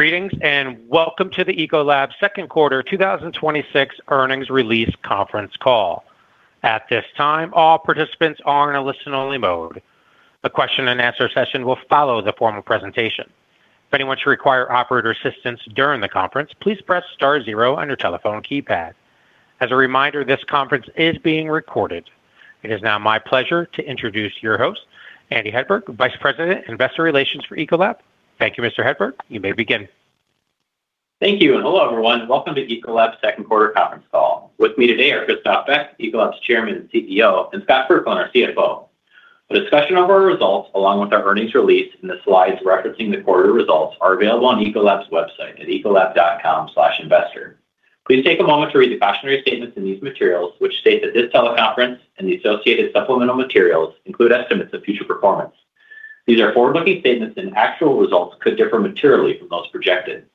Greetings. Welcome to the Ecolab second quarter 2026 earnings release conference call. At this time, all participants are in a listen-only mode. A question and answer session will follow the formal presentation. If anyone should require operator assistance during the conference, please press star zero on your telephone keypad. As a reminder, this conference is being recorded. It is now my pleasure to introduce your host, Andrew Hedberg, Vice President, Investor Relations for Ecolab. Thank you, Mr. Hedberg. You may begin. Thank you. Hello, everyone. Welcome to Ecolab's second quarter conference call. With me today are Christophe Beck, Ecolab's Chairman and CEO, and Scott Kirkland, our CFO. A discussion of our results, along with our earnings release and the slides referencing the quarter results are available on ecolab.com/investor. Please take a moment to read the cautionary statements in these materials, which state that this teleconference and the associated supplemental materials include estimates of future performance. These are forward-looking statements, and actual results could differ materially from those projected.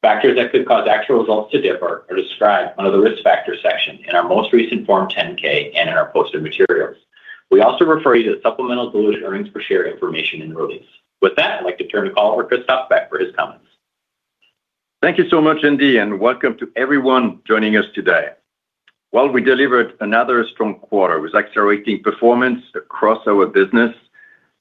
Factors that could cause actual results to differ are described under the risk factors section in our most recent Form 10-K and in our posted materials. We also refer you to supplemental diluted earnings per share information in the release. With that, I'd like to turn the call over Christophe Beck for his comments. Thank you so much, Andy. Welcome to everyone joining us today. Well, we delivered another strong quarter with accelerating performance across our business.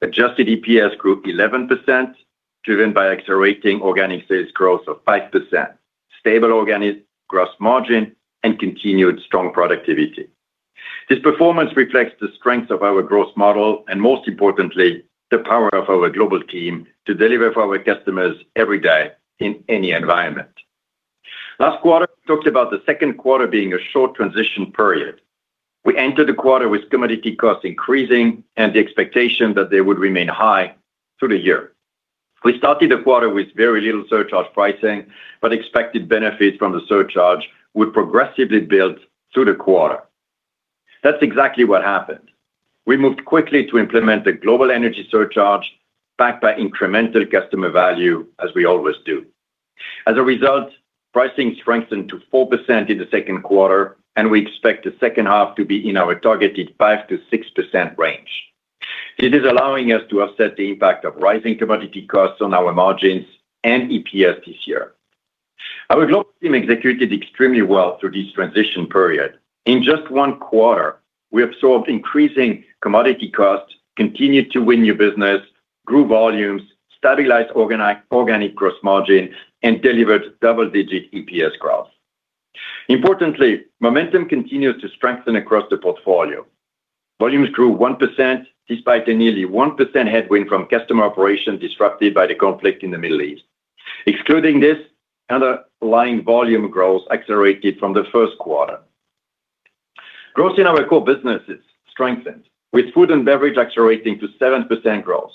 Adjusted EPS grew 11%, driven by accelerating organic sales growth of 5%, stable organic gross margin, and continued strong productivity. This performance reflects the strength of our growth model and most importantly, the power of our global team to deliver for our customers every day in any environment. Last quarter, we talked about the second quarter being a short transition period. We entered the quarter with commodity costs increasing and the expectation that they would remain high through the year. We started the quarter with very little surcharge pricing, but expected benefits from the surcharge would progressively build through the quarter. That's exactly what happened. We moved quickly to implement the global energy surcharge backed by incremental customer value as we always do. As a result, pricing strengthened to 4% in the second quarter, and we expect the second half to be in our targeted 5%-6% range. It is allowing us to offset the impact of rising commodity costs on our margins and EPS this year. Our global team executed extremely well through this transition period. In just one quarter, we absorbed increasing commodity costs, continued to win new business, grew volumes, stabilized organic gross margin, and delivered double-digit EPS growth. Importantly, momentum continued to strengthen across the portfolio. Volumes grew 1%, despite a nearly 1% headwind from customer operations disrupted by the conflict in the Middle East. Excluding this, underlying volume growth accelerated from the first quarter. Growth in our core businesses strengthened, with Food & Beverage accelerating to 7% growth,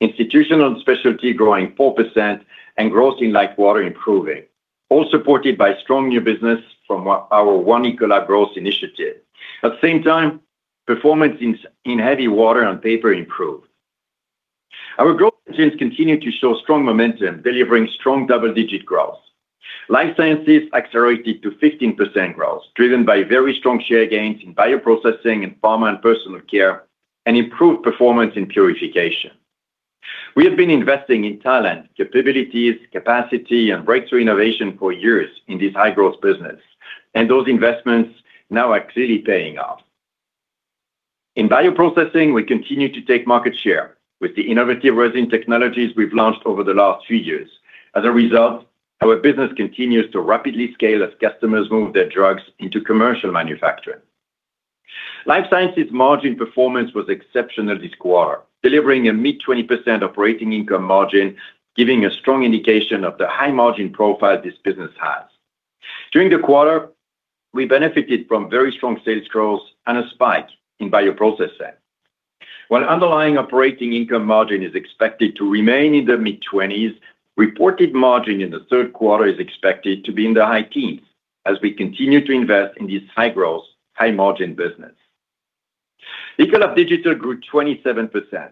Institutional & Specialty growing 4%, and growth in Light Water improving, all supported by strong new business from our One Ecolab Growth initiative. At the same time, performance in Heavy Water and Paper improved. Our growth engines continued to show strong momentum, delivering strong double-digit growth. Life Sciences accelerated to 15% growth, driven by very strong share gains in bioprocessing and pharma and personal care, and improved performance in purification. We have been investing in talent, capabilities, capacity, and breakthrough innovation for years in this high-growth business, and those investments now are clearly paying off. In bioprocessing, we continue to take market share with the innovative resin technologies we've launched over the last few years. As a result, our business continues to rapidly scale as customers move their drugs into commercial manufacturing. Life Sciences margin performance was exceptional this quarter, delivering a mid-20% operating income margin, giving a strong indication of the high margin profile this business has. During the quarter, we benefited from very strong sales growth and a spike in bioprocessing. While underlying operating income margin is expected to remain in the mid-20s, reported margin in the third quarter is expected to be in the high teens as we continue to invest in this high-growth, high-margin business. Ecolab Digital grew 27%,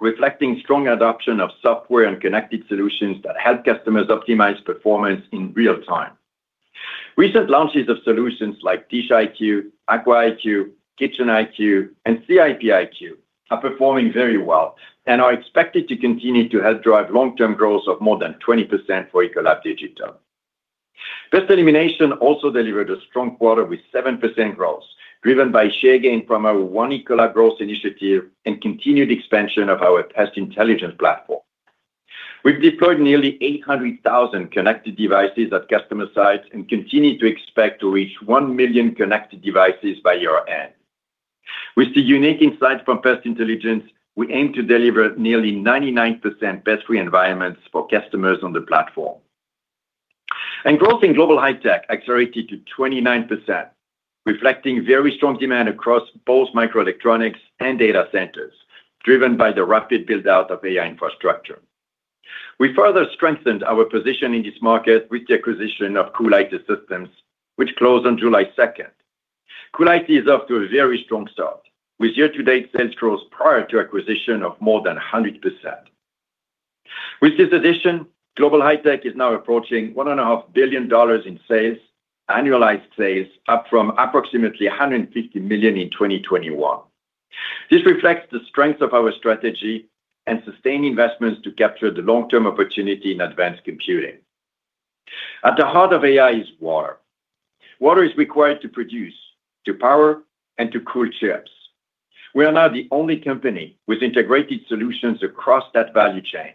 reflecting strong adoption of software and connected solutions that help customers optimize performance in real time. Recent launches of solutions like DishIQ, AquaIQ, KitchenIQ, and CIP IQ are performing very well and are expected to continue to help drive long-term growth of more than 20% for Ecolab Digital. Pest Elimination also delivered a strong quarter with 7% growth, driven by share gain from our One Ecolab Growth initiative and continued expansion of our Pest Intelligence platform. We've deployed nearly 800,000 connected devices at customer sites and continue to expect to reach 1 million connected devices by year-end. With the unique insights from Pest Intelligence, we aim to deliver nearly 99% pest-free environments for customers on the platform. Growth in Global High-Tech accelerated to 29%, reflecting very strong demand across both microelectronics and data centers, driven by the rapid build-out of AI infrastructure. We further strengthened our position in this market with the acquisition of CoolIT Systems, which closed on July 2nd. CoolIT is off to a very strong start, with year-to-date sales growth prior to acquisition of more than 100%. With this addition, Global High-Tech is now approaching $1.5 billion in sales, annualized sales up from approximately $150 million in 2021. This reflects the strength of our strategy and sustained investments to capture the long-term opportunity in advanced computing. At the heart of AI is water. Water is required to produce, to power, and to cool chips. We are now the only company with integrated solutions across that value chain.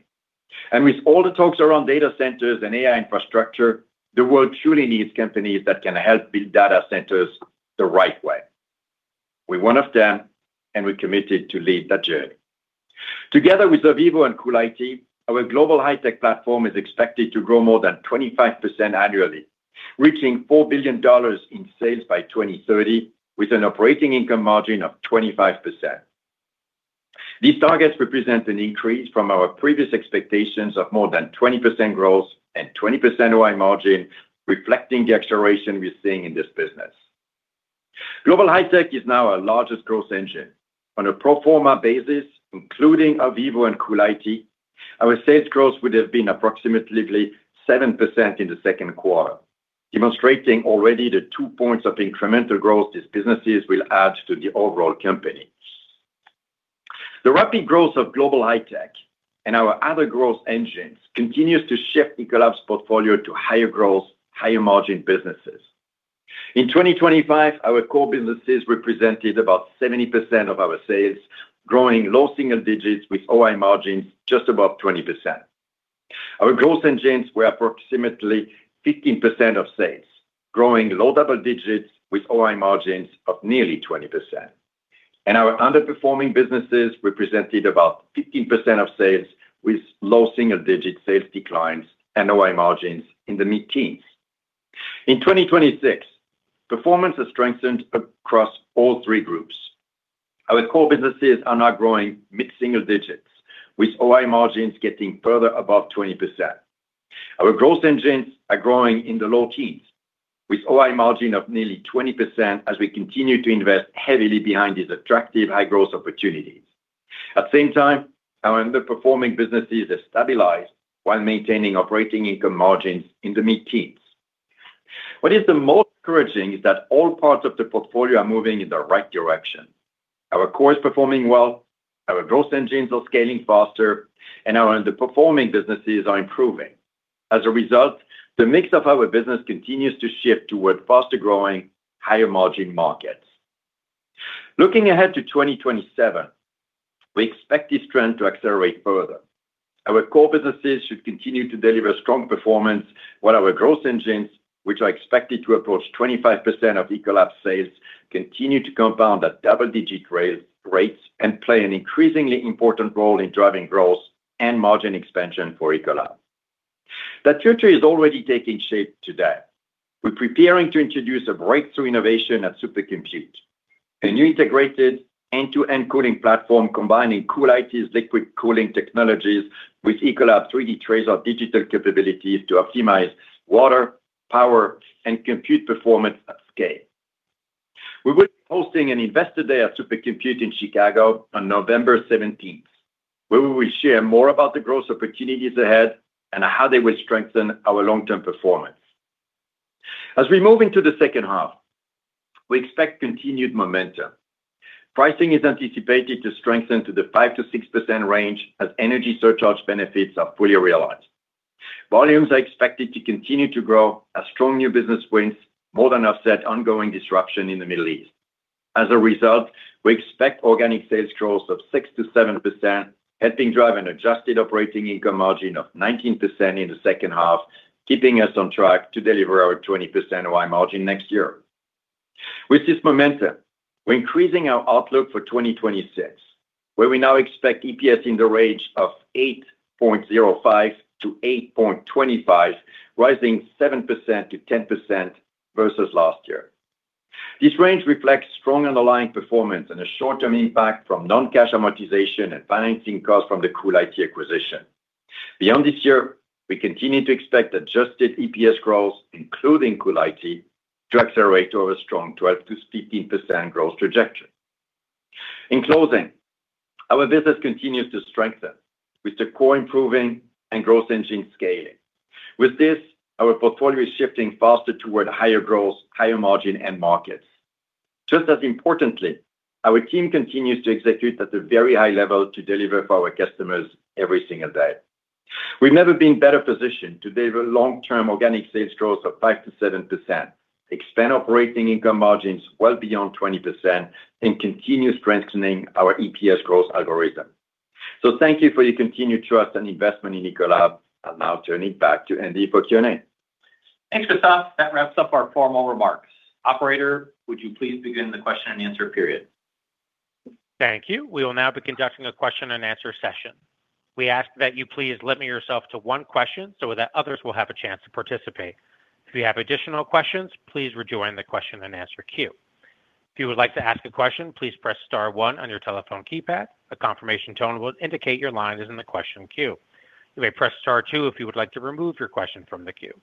With all the talks around data centers and AI infrastructure, the world truly needs companies that can help build data centers the right way. We're one of them, and we're committed to lead that journey. Together with Ovivo and CoolIT, our Global High-Tech platform is expected to grow more than 25% annually, reaching $4 billion in sales by 2030, with an operating income margin of 25%. These targets represent an increase from our previous expectations of more than 20% growth and 20% OI margin, reflecting the acceleration we are seeing in this business. Global High-Tech is now our largest growth engine. On a pro forma basis, including Ovivo and CoolIT, our sales growth would have been approximately 7% in the second quarter, demonstrating already the two points of incremental growth these businesses will add to the overall company. The rapid growth of Global High-Tech and our other growth engines continues to shift Ecolab's portfolio to higher growth, higher margin businesses. In 2025, our core businesses represented about 70% of our sales, growing low single digits with OI margins just above 20%. Our growth engines were approximately 15% of sales, growing low double digits with OI margins of nearly 20%. Our underperforming businesses represented about 15% of sales, with low single-digit sales declines and OI margins in the mid-teens. In 2026, performance has strengthened across all three groups. Our core businesses are now growing mid-single digits, with OI margins getting further above 20%. Our growth engines are growing in the low teens, with OI margin of nearly 20% as we continue to invest heavily behind these attractive high-growth opportunities. At the same time, our underperforming businesses have stabilized while maintaining operating income margins in the mid-teens. What is the most encouraging is that all parts of the portfolio are moving in the right direction. Our core is performing well, our growth engines are scaling faster, and our underperforming businesses are improving. As a result, the mix of our business continues to shift toward faster-growing, higher-margin markets. Looking ahead to 2027, we expect this trend to accelerate further. Our core businesses should continue to deliver strong performance, while our growth engines, which are expected to approach 25% of Ecolab's sales, continue to compound at double-digit rates and play an increasingly important role in driving growth and margin expansion for Ecolab. That future is already taking shape today. We're preparing to introduce a breakthrough innovation at SuperCompute, a new integrated end-to-end cooling platform combining CoolIT's liquid cooling technologies with Ecolab's 3D TRASAR digital capabilities to optimize water, power, and compute performance at scale. We will be hosting an Investor Day at Supercomputing in Chicago on November 17th, where we will share more about the growth opportunities ahead and how they will strengthen our long-term performance. As we move into the second half, we expect continued momentum. Pricing is anticipated to strengthen to the 5%-6% range as energy surcharge benefits are fully realized. Volumes are expected to continue to grow as strong new business wins more than offset ongoing disruption in the Middle East. As a result, we expect organic sales growth of 6%-7%, helping drive an adjusted operating income margin of 19% in the second half, keeping us on track to deliver our 20% OI margin next year. With this momentum, we're increasing our outlook for 2026, where we now expect EPS in the range of $8.05-$8.25, rising 7%-10% versus last year. This range reflects strong underlying performance and a short-term impact from non-cash amortization and financing costs from the CoolIT acquisition. Beyond this year, we continue to expect adjusted EPS growth, including CoolIT, to accelerate to a strong 12%-15% growth trajectory. In closing, our business continues to strengthen with the core improving and growth engine scaling. With this, our portfolio is shifting faster toward higher growth, higher margin, and markets. Just as importantly, our team continues to execute at a very high level to deliver for our customers every single day. We've never been better positioned to deliver long-term organic sales growth of 5%-7%, expand operating income margins well beyond 20%, and continue strengthening our EPS growth algorithm. Thank you for your continued trust and investment in Ecolab. I'll now turn it back to Andy for Q and A. Thanks, Christophe. That wraps up our formal remarks. Operator, would you please begin the question and answer period? Thank you. We will now be conducting a question and answer session. We ask that you please limit yourself to one question so that others will have a chance to participate. If you have additional questions, please rejoin the question and answer queue. If you would like to ask a question, please press star one on your telephone keypad. A confirmation tone will indicate your line is in the question queue. You may press star two if you would like to remove your question from the queue.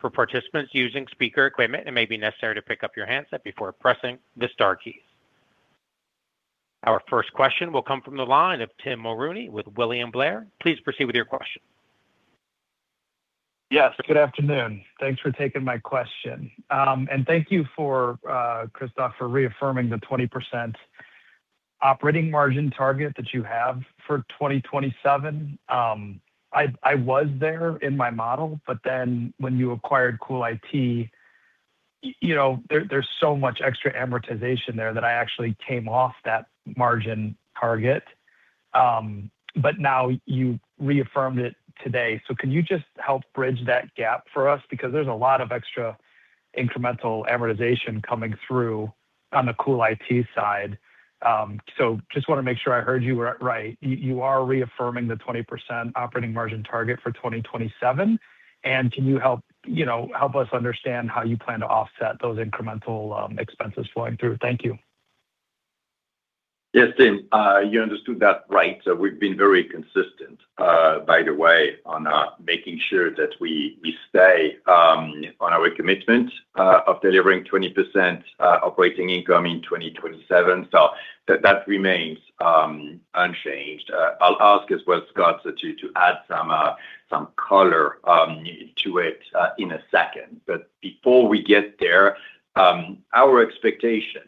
For participants using speaker equipment, it may be necessary to pick up your handset before pressing the star keys. Our first question will come from the line of Tim Mulrooney with William Blair. Please proceed with your question. Yes. Good afternoon. Thanks for taking my question. Thank you, Christophe, for reaffirming the 20% operating margin target that you have for 2027. I was there in my model, but then when you acquired CoolIT, there's so much extra amortization there that I actually came off that margin target. Now you reaffirmed it today, can you just help bridge that gap for us? There's a lot of extra incremental amortization coming through on the CoolIT side. Just want to make sure I heard you right. You are reaffirming the 20% operating margin target for 2027, can you help us understand how you plan to offset those incremental expenses flowing through? Thank you. Yes, Tim, you understood that right. We've been very consistent, by the way, on making sure that we stay on our commitment of delivering 20% operating income in 2027. That remains unchanged. I'll ask as well Scott to add some color to it in a second. Before we get there, our expectation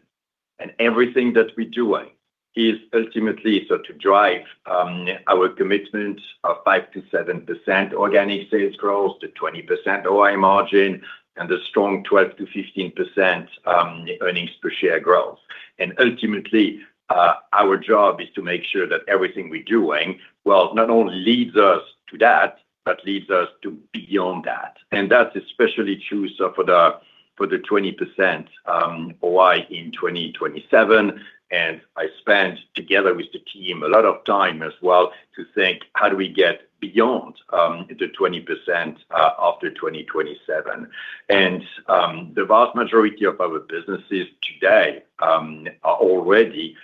and everything that we're doing is ultimately to drive our commitment of 5%-7% organic sales growth to 20% OI margin and a strong 12%-15% earnings per share growth. Ultimately, our job is to make sure that everything we're doing, not only leads us to that, but leads us to beyond that. That's especially true for the 20% OI in 2027. I spent, together with the team, a lot of time as well to think how do we get beyond the 20% after 2027. The vast majority of our businesses today are already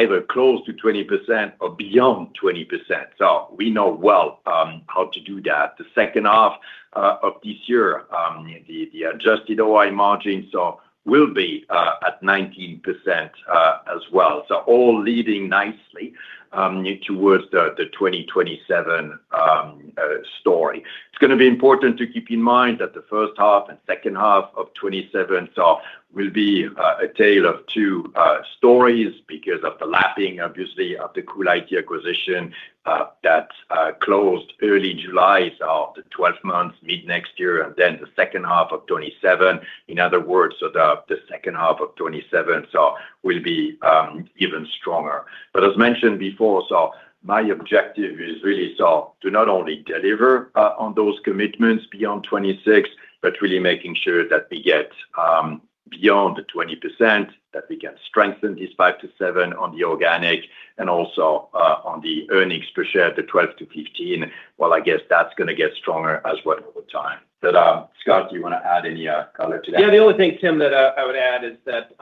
either close to 20% or beyond 20%. We know well how to do that. The second half of this year, the adjusted OI margins will be at 19% as well. All leading nicely towards the 2027 story. It's going to be important to keep in mind that the first half and second half of 2027 will be a tale of two stories because of the lapping, obviously, of the CoolIT acquisition that closed early July. The 12 months, mid-next year, and then the second half of 2027. In other words, the second half of 2027 will be even stronger. As mentioned before, my objective is really to not only deliver on those commitments beyond 2026, but really making sure that we get beyond the 20%, that we can strengthen these 5%-7% on the organic, and also on the earnings per share, the 12%-15%. I guess that's going to get stronger as well over time. Scott, do you want to add any color to that? The only thing, Tim, that I would add is that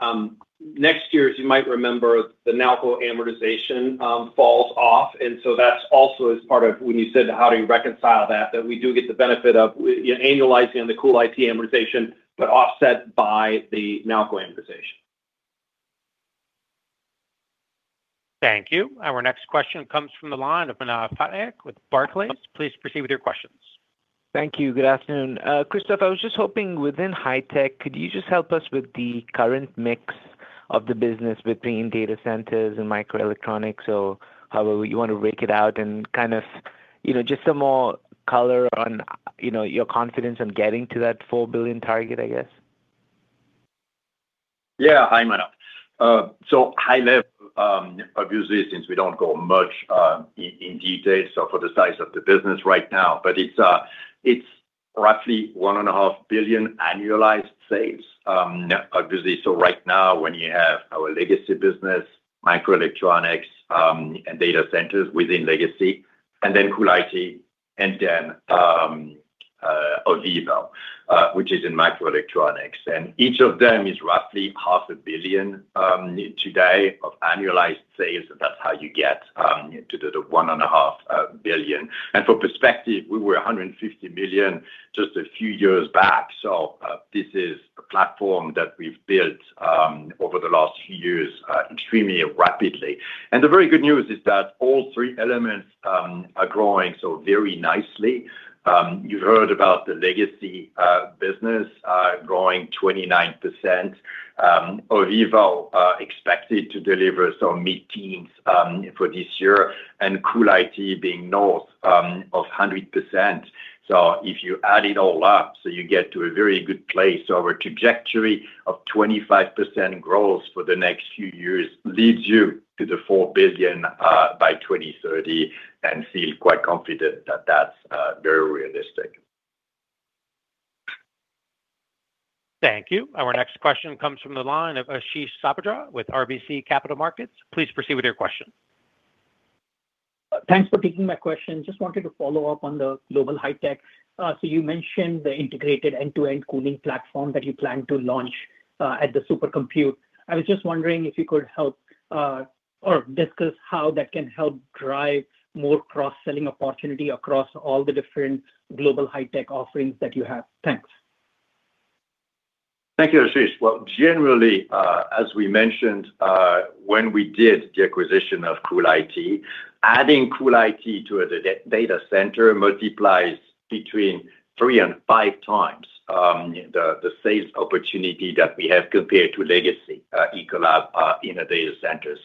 next year, as you might remember, the Nalco amortization falls off. That also is part of when you said how do you reconcile that we do get the benefit of annualizing the CoolIT amortization, but offset by the Nalco amortization. Thank you. Our next question comes from the line of Manav Patnaik with Barclays. Please proceed with your questions. Thank you. Good afternoon. Christophe, I was just hoping within High-Tech, could you just help us with the current mix of the business between data centers and microelectronics, or however you want to rake it out and just some more color on your confidence on getting to that $4 billion target, I guess. Hi, Manav. High level, obviously, since we don't go much in detail, for the size of the business right now, it's roughly $1.5 billion annualized sales. Obviously, right now when you have our legacy business, microelectronics, and data centers within legacy, then CoolIT, and then Ovivo, which is in microelectronics. Each of them is roughly half a billion today of annualized sales. That's how you get to the $1.5 billion. For perspective, we were $150 million just a few years back. This is a platform that we've built over the last few years extremely rapidly. The very good news is that all three elements are growing very nicely. You've heard about the legacy business growing 29%, Ovivo expected to deliver some mid-teens for this year, and CoolIT being north of 100%. If you add it all up, you get to a very good place. Our trajectory of 25% growth for the next few years leads you to the $4 billion by 2030, and feel quite confident that that's very realistic. Thank you. Our next question comes from the line of Ashish Sabadra with RBC Capital Markets. Please proceed with your question. Thanks for taking my question. Just wanted to follow up on the Global High-Tech. You mentioned the integrated end-to-end cooling platform that you plan to launch at the SuperCompute. I was just wondering if you could help or discuss how that can help drive more cross-selling opportunity across all the different Global High-Tech offerings that you have. Thanks Thank you, Ashish. Well, generally as we mentioned when we did the acquisition of CoolIT, adding CoolIT to a data center multiplies between three and five times the sales opportunity that we have compared to legacy Ecolab in a data center.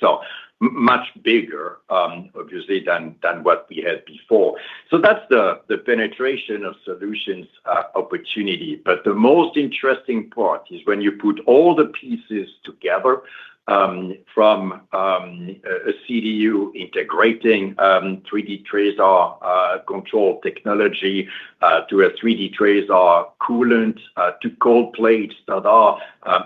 Much bigger obviously than what we had before. That's the penetration of solutions opportunity. The most interesting part is when you put all the pieces together from a CDU integrating 3D TRASAR control technology to a 3D TRASAR coolant to cold plates that are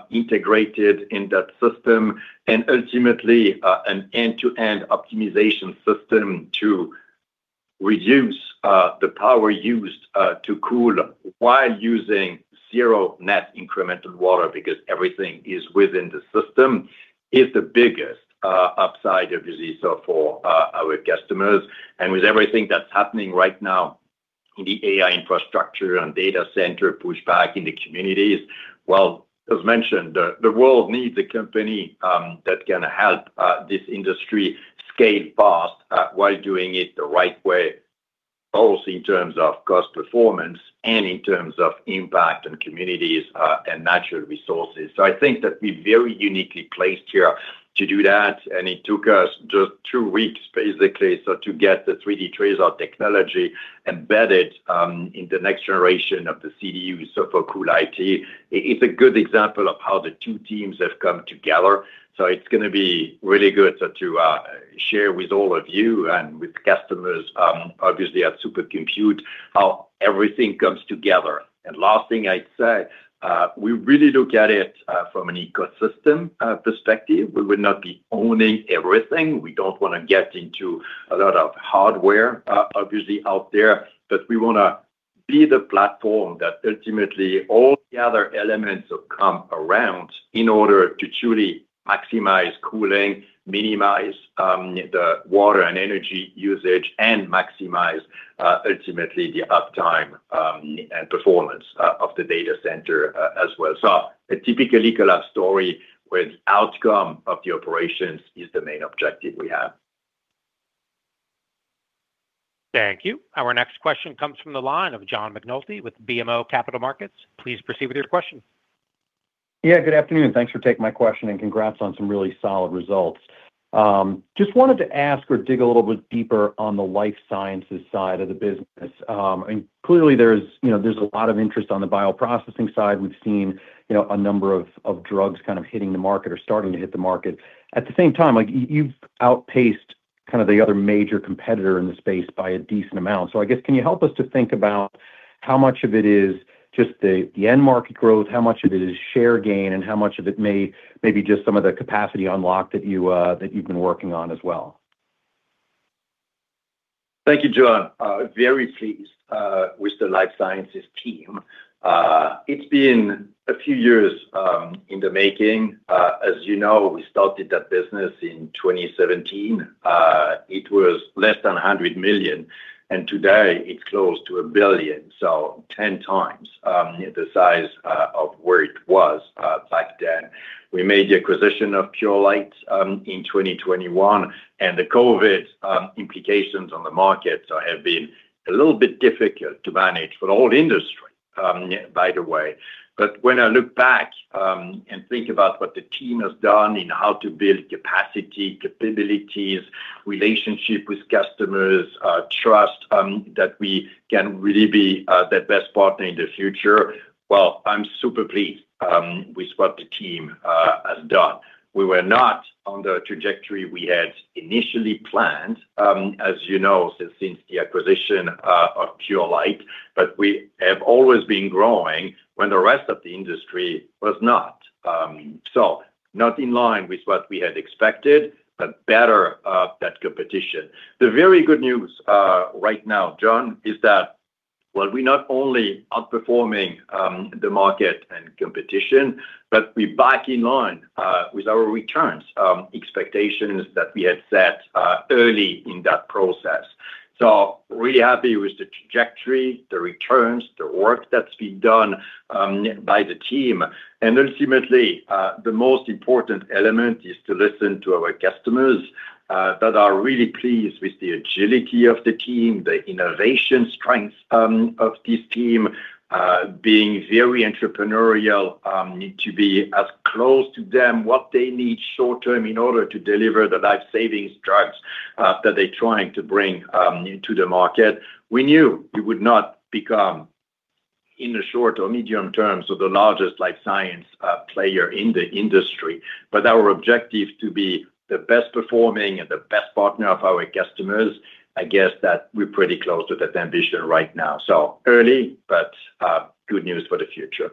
integrated in that system and ultimately an end-to-end optimization system to reduce the power used to cool while using zero net incremental water because everything is within the system is the biggest upside obviously. For our customers and with everything that's happening right now in the AI infrastructure and data center pushback in the communities, well, as mentioned, the world needs a company that can help this industry scale fast while doing it the right way, both in terms of cost performance and in terms of impact on communities and natural resources. I think that we're very uniquely placed here to do that, and it took us just two weeks basically to get the 3D TRASAR technology embedded in the next generation of the CDU. For CoolIT, it's a good example of how the two teams have come together. It's going to be really good to share with all of you and with customers obviously at SuperCompute how everything comes together. Last thing I'd say, we really look at it from an ecosystem perspective. We will not be owning everything. We don't want to get into a lot of hardware obviously out there, but we want to be the platform that ultimately all the other elements have come around in order to truly maximize cooling, minimize the water and energy usage, and maximize ultimately the uptime and performance of the data center as well. A typical Ecolab story where the outcome of the operations is the main objective we have. Thank you. Our next question comes from the line of John McNulty with BMO Capital Markets. Please proceed with your question. Good afternoon. Thanks for taking my question and congrats on some really solid results. Just wanted to ask or dig a little bit deeper on the Life Sciences side of the business. Clearly there's a lot of interest on the bioprocessing side. We've seen a number of drugs kind of hitting the market or starting to hit the market. At the same time, you've outpaced the other major competitor in the space by a decent amount. I guess can you help us to think about how much of it is just the end market growth, how much of it is share gain, and how much of it may be just some of the capacity unlock that you've been working on as well? Thank you, John. Very pleased with the Life Sciences team. It's been a few years in the making. As you know, we started that business in 2017. It was less than $100 million, and today it's close to $1 billion. 10 times the size of where it was back then. We made the acquisition of Purolite in 2021, and the COVID implications on the market have been a little bit difficult to manage for the whole industry by the way. When I look back and think about what the team has done in how to build capacity, capabilities, relationship with customers, trust that we can really be the best partner in the future, well, I'm super pleased with what the team has done. We were not on the trajectory we had initially planned as you know since the acquisition of Purolite, but we have always been growing when the rest of the industry was not. Not in line with what we had expected, but better than competition. The very good news right now, John, is that while we're not only outperforming the market and competition, but we're back in line with our returns expectations that we had set early in that process. Really happy with the trajectory, the returns, the work that's been done by the team. Ultimately the most important element is to listen to our customers that are really pleased with the agility of the team, the innovation strengths of this team being very entrepreneurial need to be as close to them what they need short term in order to deliver the life-saving drugs that they're trying to bring into the market. We knew we would not become in the short or medium term the largest life science player in the industry, but our objective to be the best performing and the best partner of our customers, I guess that we're pretty close to that ambition right now. Early, but good news for the future.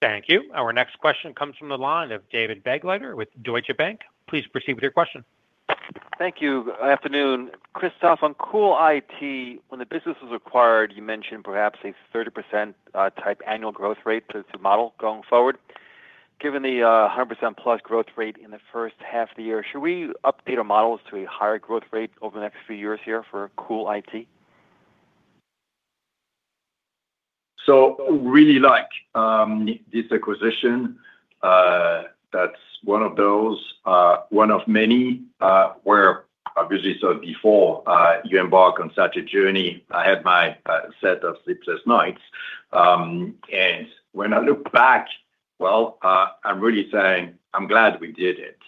Thank you. Our next question comes from the line of David Begleiter with Deutsche Bank. Please proceed with your question. Thank you. Afternoon. Christophe, on CoolIT, when the business was acquired, you mentioned perhaps a 30% type annual growth rate to the model going forward. Given the 100%+ growth rate in the first half of the year, should we update our models to a higher growth rate over the next few years here for CoolIT? Really like this acquisition. That's one of many where, obviously, before I embark on such a journey, I had my set of sleepless nights. When I look back, well, I'm really saying, I'm glad we did it,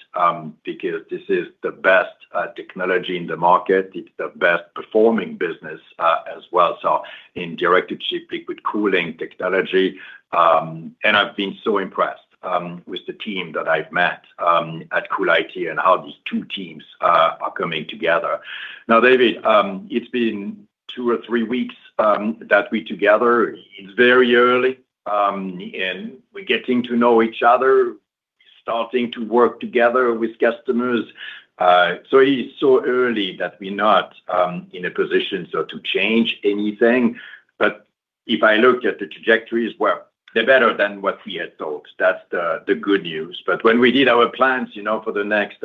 because this is the best technology in the market. It's the best performing business as well, in directed sheet liquid cooling technology. I've been so impressed with the team that I've met at CoolIT and how these two teams are coming together. Now, David, it's been two or three weeks that we together, it's very early, and we're getting to know each other, starting to work together with customers. It's so early that we're not in a position to change anything. If I look at the trajectories, well, they're better than what we had thought. That's the good news. When we did our plans for the next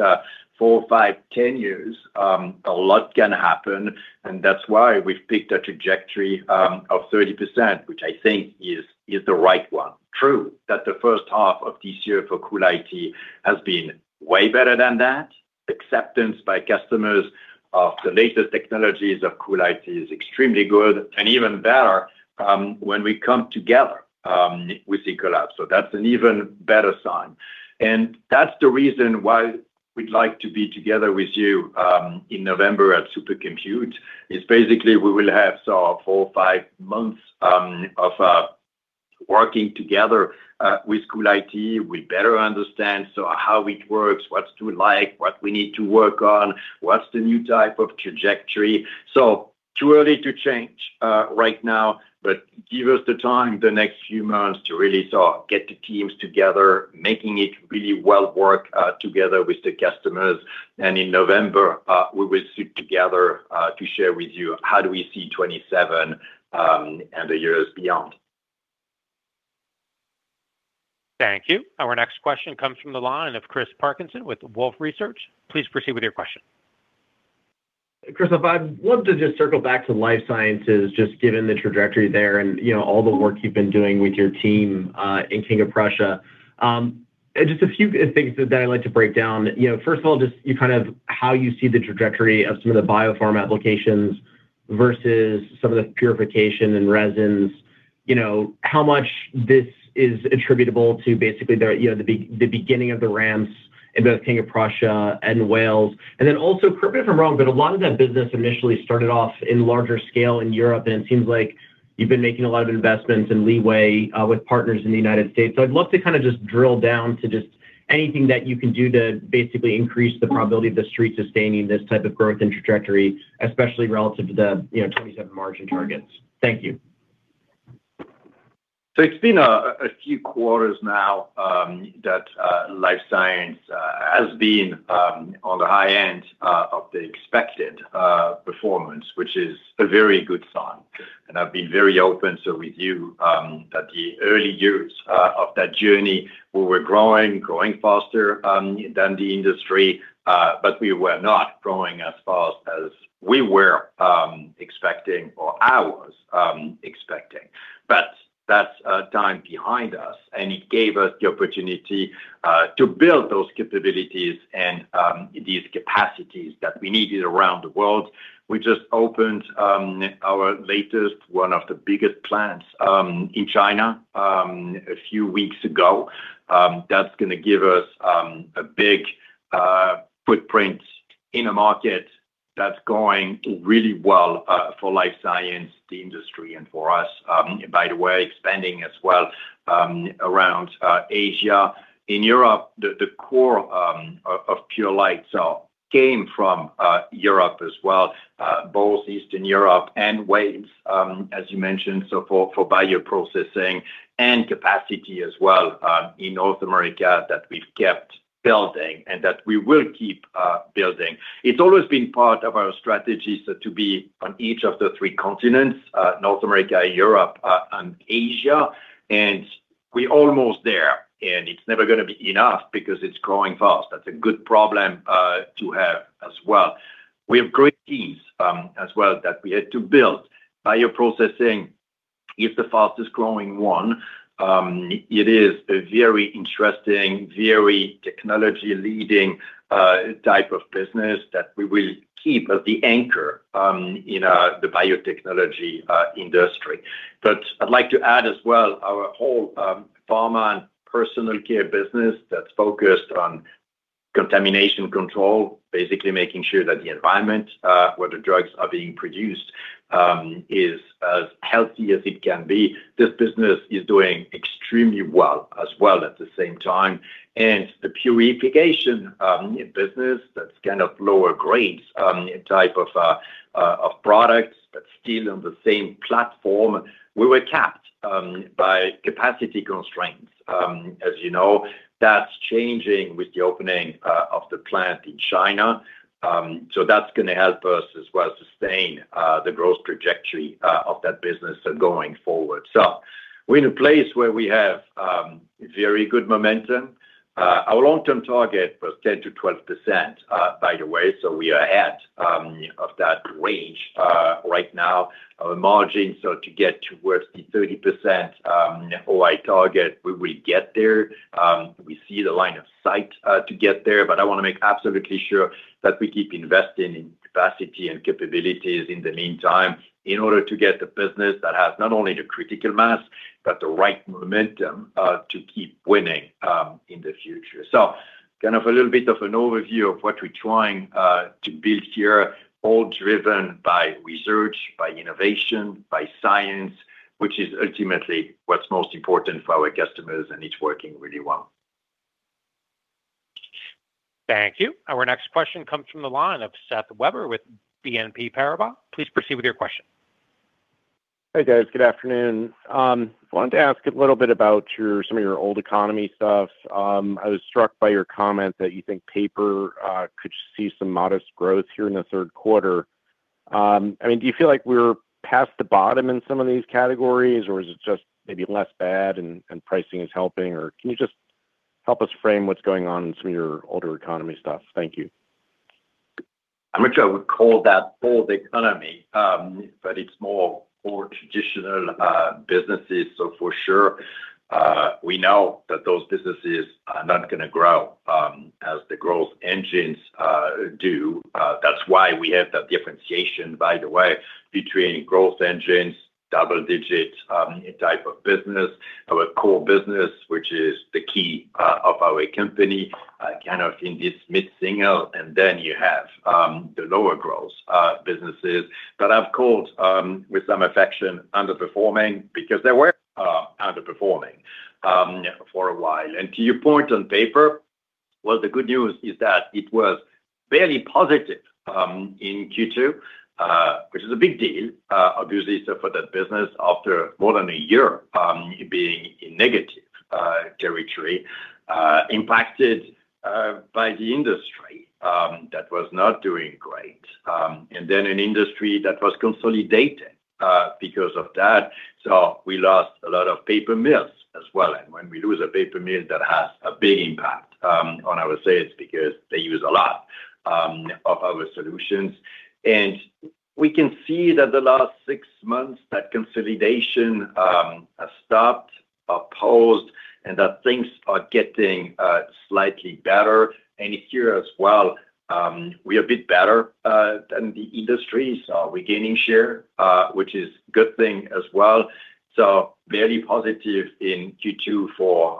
four, five, 10 years, a lot can happen. That's why we've picked a trajectory of 30%, which I think is the right one. True that the first half of this year for CoolIT has been way better than that. Acceptance by customers of the latest technologies of CoolIT is extremely good and even better when we come together with Ecolab. That's an even better sign. That's the reason why we'd like to be together with you in November at SuperCompute, is basically we will have four or five months of working together with CoolIT. We better understand how it works, what's to like, what we need to work on, what's the new type of trajectory. Too early to change right now, but give us the time the next few months to really get the teams together, making it really well work together with the customers. In November, we will sit together to share with you how do we see 2027, and the years beyond. Thank you. Our next question comes from the line of Chris Parkinson with Wolfe Research. Please proceed with your question. Christophe, I'd love to just circle back to Life Sciences, just given the trajectory there and all the work you've been doing with your team in King of Prussia. Just a few things that I'd like to break down. First of all, just how you see the trajectory of some of the biopharm applications versus some of the purification and resins, how much this is attributable to basically the beginning of the ramps in both King of Prussia and Wales. Then also, correct me if I'm wrong, but a lot of that business initially started off in larger scale in Europe, and it seems like you've been making a lot of investments in leeway with partners in the United States. I'd love to just drill down to just anything that you can do to basically increase the probability of The Street sustaining this type of growth and trajectory, especially relative to the 2027 margin targets. Thank you. It's been a few quarters now that Life Sciences has been on the high end of the expected performance, which is a very good sign. I've been very open with you that the early years of that journey, we were growing faster than the industry, but we were not growing as fast as we were expecting, or I was expecting. That's a time behind us, and it gave us the opportunity to build those capabilities and these capacities that we needed around the world. We just opened our latest, one of the biggest plants in China a few weeks ago. That's going to give us a big footprint in a market that's going really well for Life Sciences, the industry, and for us. By the way, expanding as well around Asia. In Europe, the core of Purolite came from Europe as well, both Eastern Europe and Wales, as you mentioned, for bioprocessing and capacity as well in North America that we've kept building and that we will keep building. It's always been part of our strategy to be on each of the three continents, North America, Europe, and Asia, and we're almost there, and it's never going to be enough because it's growing fast. That's a good problem to have as well. We have great teams as well that we had to build. Bioprocessing is the fastest growing one. It is a very interesting, very technology-leading type of business that we will keep as the anchor in the biotechnology industry. I'd like to add as well our whole pharma and personal care business that's focused on contamination control, basically making sure that the environment where the drugs are being produced is as healthy as it can be. This business is doing extremely well as well at the same time. The purification business, that's kind of lower grades type of products, but still on the same platform. We were capped by capacity constraints. As you know, that's changing with the opening of the plant in China. That's going to help us as well sustain the growth trajectory of that business going forward. We're in a place where we have very good momentum. Our long-term target was 10%-12%, by the way, so we are ahead of that range right now. Our margin, to get towards the 30% OI target, we will get there. We see the line of sight to get there, I want to make absolutely sure that we keep investing in capacity and capabilities in the meantime in order to get the business that has not only the critical mass, but the right momentum to keep winning in the future. Kind of a little bit of an overview of what we're trying to build here, all driven by research, by innovation, by science, which is ultimately what's most important for our customers, and it's working really well. Thank you. Our next question comes from the line of Seth Weber with BNP Paribas. Please proceed with your question. Hey, guys. Good afternoon. Wanted to ask a little bit about some of your old economy stuff. I was struck by your comment that you think paper could see some modest growth here in the third quarter. Do you feel like we're past the bottom in some of these categories, or is it just maybe less bad and pricing is helping? Can you just help us frame what's going on in some of your older economy stuff? Thank you. I'm not sure I would call that old economy, but it's more traditional businesses. For sure, we know that those businesses are not going to grow as the growth engines do. That's why we have that differentiation, by the way, between growth engines, double-digit type of business. Our core business, which is the key of our company, kind of in this mid-single, and then you have the lower growth businesses that I've called, with some affection, underperforming, because they were underperforming for a while. To your point on paper, well, the good news is that it was fairly positive in Q2, which is a big deal, obviously, for that business after more than a year being in negative territory, impacted by the industry that was not doing great, and then an industry that was consolidating because of that. We lost a lot of paper mills as well, and when we lose a paper mill, that has a big impact on our sales because they use a lot of our solutions. We can see that the last six months, that consolidation has stopped, or paused, and that things are getting slightly better. Here as well, we are a bit better than the industry, so we're gaining share, which is good thing as well. Very positive in Q2 for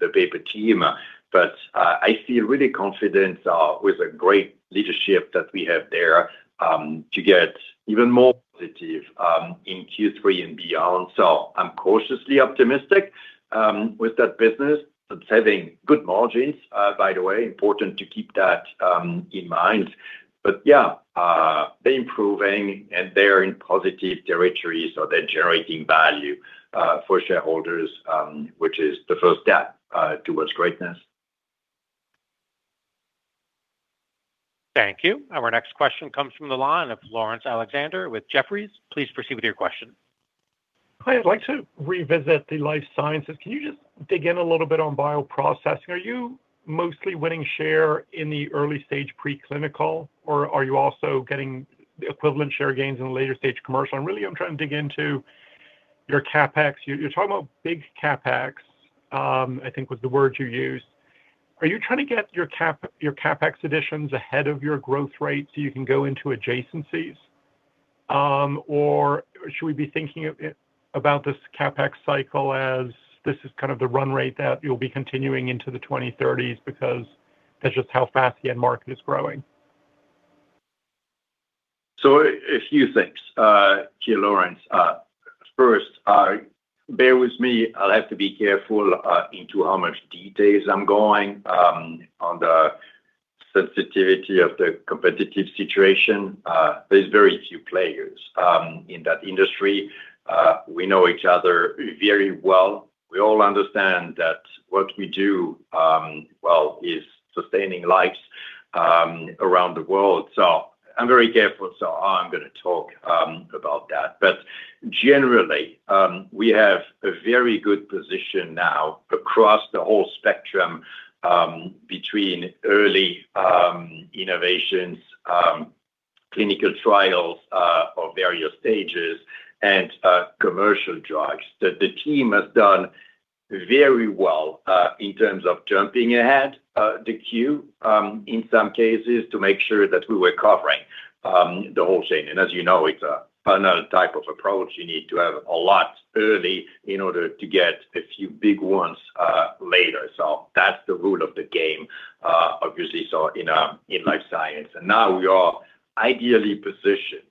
the Paper team. I feel really confident with the great leadership that we have there to get even more positive in Q3 and beyond. I'm cautiously optimistic with that business. It's having good margins, by the way, important to keep that in mind. Yeah, they're improving and they're in positive territory, so they're generating value for shareholders, which is the first step towards greatness. Thank you. Our next question comes from the line of Laurence Alexander with Jefferies. Please proceed with your question. Hi, I'd like to revisit the Life Sciences. Can you just dig in a little bit on bioprocessing? Are you mostly winning share in the early-stage preclinical, or are you also getting equivalent share gains in the later-stage commercial? Really, I'm trying to dig into your CapEx. You're talking about big CapEx, I think was the words you used. Are you trying to get your CapEx additions ahead of your growth rate so you can go into adjacencies? Or should we be thinking about this CapEx cycle as this is kind of the run rate that you'll be continuing into the 2030s because that's just how fast the end market is growing? A few things, Laurence. First, bear with me. I'll have to be careful into how much details I'm going on the sensitivity of the competitive situation. There's very few players in that industry. We know each other very well. We all understand that what we do is sustaining lives around the world. I'm very careful how I'm going to talk about that. Generally, we have a very good position now across the whole spectrum between early innovations, clinical trials of various stages, and commercial drugs, that the team has done very well in terms of jumping ahead the queue, in some cases, to make sure that we were covering the whole chain. As you know, it's another type of approach. You need to have a lot early in order to get a few big ones later. That's the rule of the game, obviously, in Life Science. Now we are ideally positioned,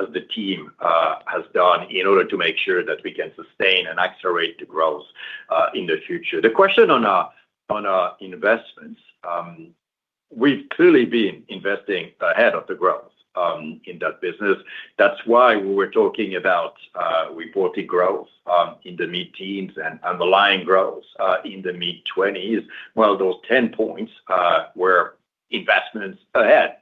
as the team has done, in order to make sure that we can sustain and accelerate the growth in the future. The question on our investments, we've clearly been investing ahead of the growth in that business. That's why we were talking about reported growth in the mid-teens and underlying growth in the mid-20s. Those 10 points were investments ahead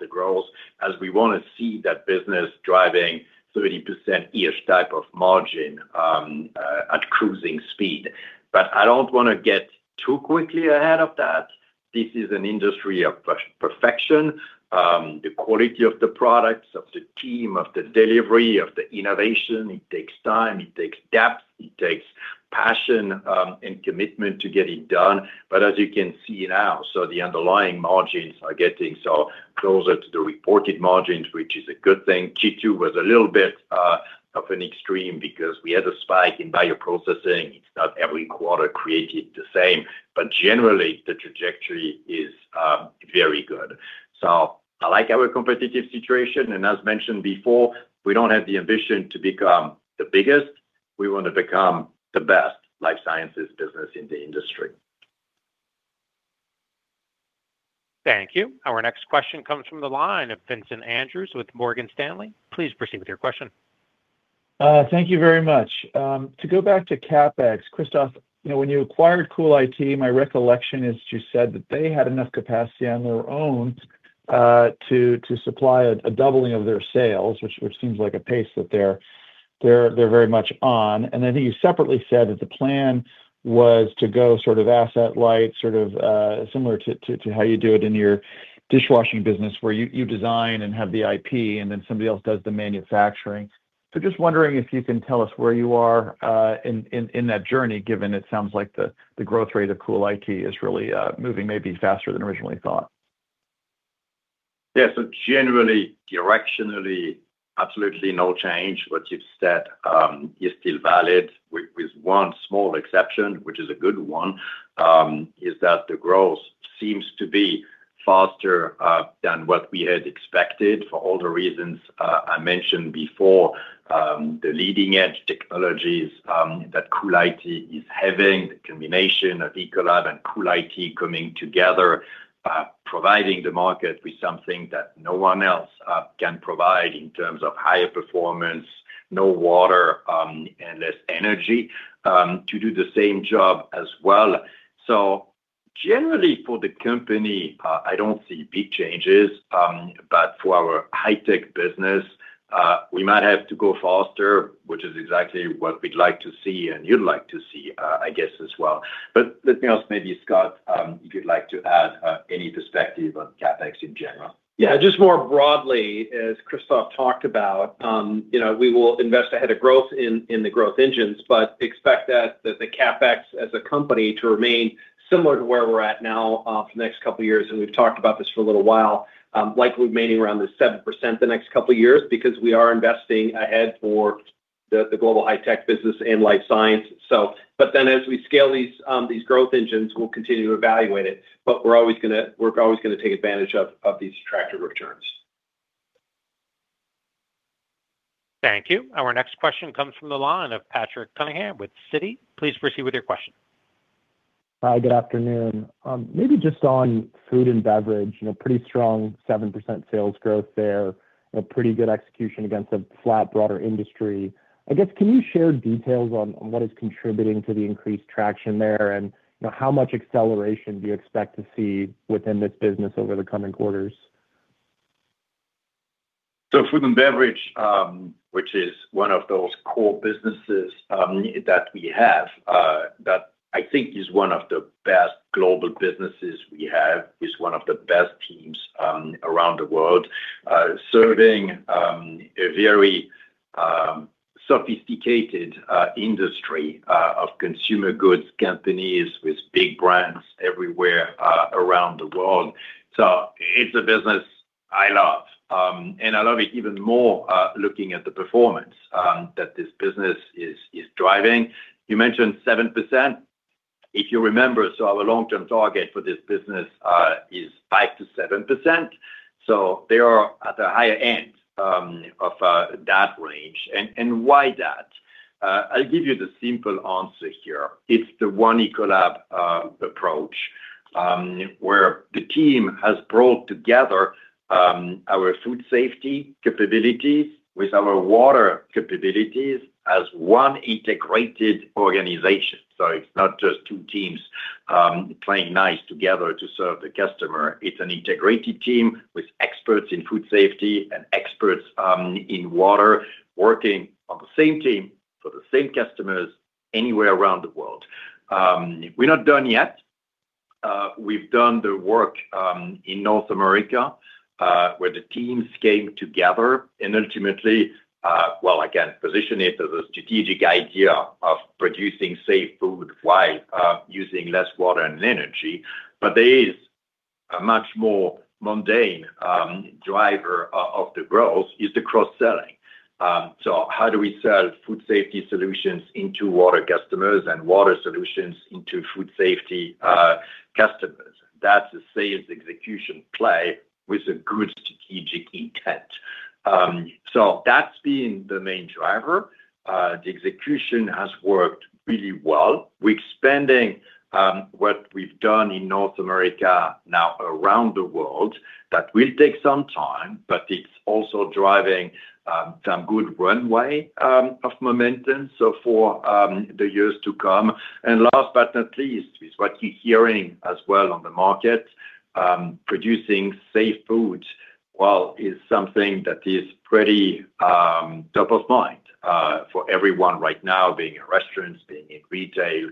the growth as we want to see that business driving 30%-ish type of margin at cruising speed. I don't want to get too quickly ahead of that. This is an industry of perfection. The quality of the products, of the team, of the delivery, of the innovation. It takes time, it takes depth, it takes passion and commitment to get it done. As you can see now, the underlying margins are getting closer to the reported margins, which is a good thing. Q2 was a little bit of an extreme because we had a spike in bioprocessing. It's not every quarter created the same, generally the trajectory is very good. I like our competitive situation, as mentioned before, we don't have the ambition to become the biggest. We want to become the best life sciences business in the industry. Thank you. Our next question comes from the line of Vincent Andrews with Morgan Stanley. Please proceed with your question. Thank you very much. To go back to CapEx, Christophe, when you acquired Cool IT, my recollection is you said that they had enough capacity on their own to supply a doubling of their sales, which seems like a pace that they're very much on. I think you separately said that the plan was to go asset light, similar to how you do it in your dishwashing business, where you design and have the IP, and then somebody else does the manufacturing. Just wondering if you can tell us where you are in that journey, given it sounds like the growth rate of Cool IT is really moving maybe faster than originally thought. Yeah. Generally, directionally, absolutely no change. What you've said is still valid with one small exception, which is a good one, is that the growth seems to be faster than what we had expected for all the reasons I mentioned before. The leading-edge technologies that Cool IT is having, the combination of Ecolab and Cool IT coming together, providing the market with something that no one else can provide in terms of higher performance, no water, and less energy to do the same job as well. Generally for the company, I don't see big changes. For our High-Tech business, we might have to go faster, which is exactly what we'd like to see and you'd like to see, I guess, as well. Let me ask maybe Scott, if you'd like to add any perspective on CapEx in general. Yeah, just more broadly, as Christophe talked about, we will invest ahead of growth in the growth engines, but expect that the CapEx as a company to remain similar to where we're at now for the next couple of years, and we've talked about this for a little while. Likely remaining around the 7% the next couple of years, because we are investing ahead for the Global High-Tech business and Life Science. As we scale these growth engines, we'll continue to evaluate it. We're always going to take advantage of these attractive returns. Thank you. Our next question comes from the line of Patrick Cunningham with Citi. Please proceed with your question. Hi, good afternoon. Just on Food & Beverage, pretty strong 7% sales growth there. A pretty good execution against a flat broader industry. I guess, can you share details on what is contributing to the increased traction there, and how much acceleration do you expect to see within this business over the coming quarters? Food & Beverage, which is one of those core businesses that we have that I think is one of the best global businesses we have. It's one of the best teams around the world, serving a very sophisticated industry of consumer goods companies with big brands everywhere around the world. It's a business I love. I love it even more looking at the performance that this business is driving. You mentioned 7%. If you remember, so our long-term target for this business is 5%-7%, they are at the higher end of that range. Why that? I'll give you the simple answer here. It's the One Ecolab approach, where the team has brought together our food safety capabilities with our water capabilities as one integrated organization. It's not just two teams playing nice together to serve the customer. It's an integrated team with experts in food safety and experts in water working on the same team for the same customers anywhere around the world. We're not done yet. We've done the work in North America, where the teams came together and ultimately, well, again, position it as a strategic idea of producing safe food while using less water and energy, there is a much more mundane driver of the growth, is the cross-selling. How do we sell food safety solutions into water customers and water solutions into food safety customers? That's a sales execution play with a good strategic intent. That's been the main driver. The execution has worked really well. We're expanding what we've done in North America now around the world. That will take some time, it's also driving some good runway of momentum for the years to come. Last but not least, with what you're hearing as well on the market, producing safe food. Well, it's something that is pretty top of mind for everyone right now, being in restaurants, being in retail.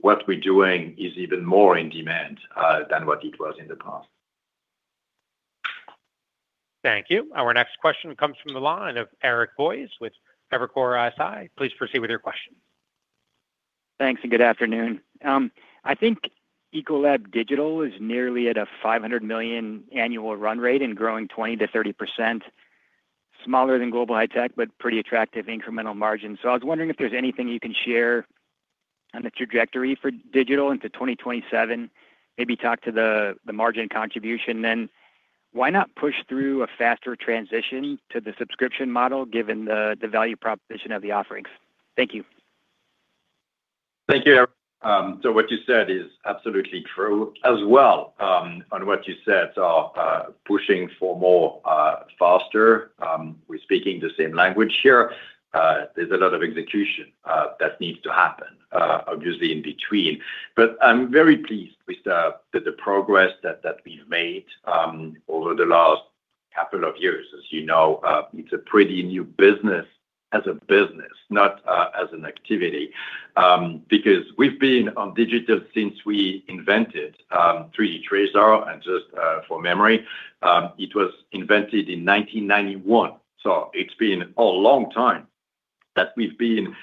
What we're doing is even more in demand than what it was in the past. Thank you. Our next question comes from the line of Eric Boyes with Evercore ISI. Please proceed with your question. Thanks and good afternoon. I think Ecolab Digital is nearly at a $500 million annual run rate and growing 20%-30%. Smaller than Global High-Tech, but pretty attractive incremental margin. I was wondering if there's anything you can share on the trajectory for digital into 2027. Maybe talk to the margin contribution then. Why not push through a faster transition to the subscription model, given the value proposition of the offerings? Thank you. Thank you, Eric. What you said is absolutely true. As well, on what you said, pushing for more faster, we're speaking the same language here. There's a lot of execution that needs to happen, obviously, in between. I'm very pleased with the progress that we've made over the last couple of years. As you know, it's a pretty new business as a business, not as an activity. We've been on digital since we invented 3D TRASAR. Just for memory, it was invented in 1991. It's been a long time that we've been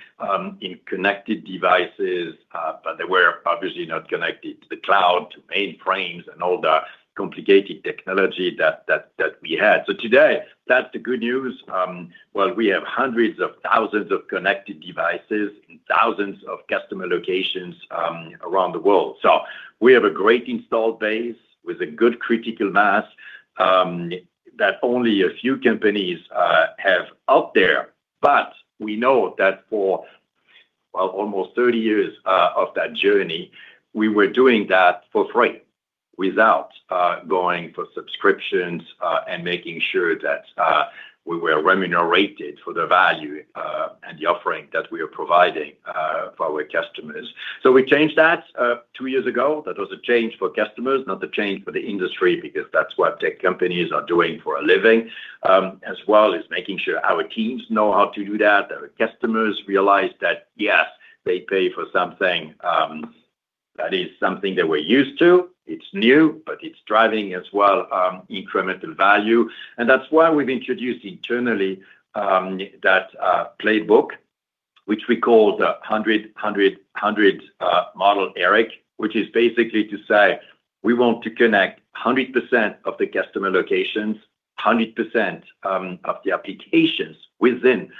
in connected devices, but they were obviously not connected to the cloud, to mainframes, and all the complicated technology that we had. Today, that's the good news. Well, we have hundreds of thousands of connected devices and thousands of customer locations around the world. We have a great installed base with a good critical mass that only a few companies have out there. We know that for almost 30 years of that journey, we were doing that for free without going for subscriptions and making sure that we were remunerated for the value and the offering that we are providing for our customers. We changed that two years ago. That was a change for customers, not a change for the industry, because that's what tech companies are doing for a living, as well as making sure our teams know how to do that. That our customers realize that, yes, they pay for something that is something that we're used to. It's new, but it's driving as well incremental value. That's why we've introduced internally that playbook, which we call the 100/100/100 model, Eric. Which is basically to say we want to connect 100% of the customer locations, 100% of the applications within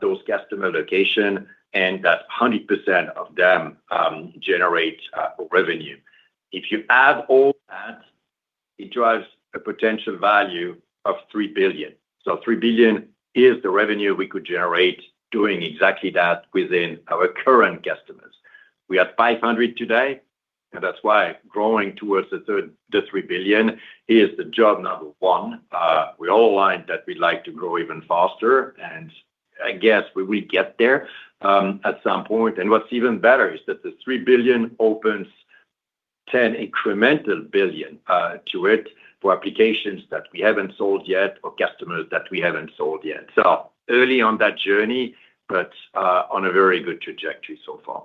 those customer location, and that 100% of them generate revenue. If you add all that, it drives a potential value of $3 billion. $3 billion is the revenue we could generate doing exactly that within our current customers. We are at $500 million today, and that's why growing towards the $3 billion is the job number one. We all aligned that we'd like to grow even faster, and I guess we will get there at some point. What's even better is that the $3 billion opens $10 billion incremental to it for applications that we haven't sold yet or customers that we haven't sold yet. Early on that journey, but on a very good trajectory so far.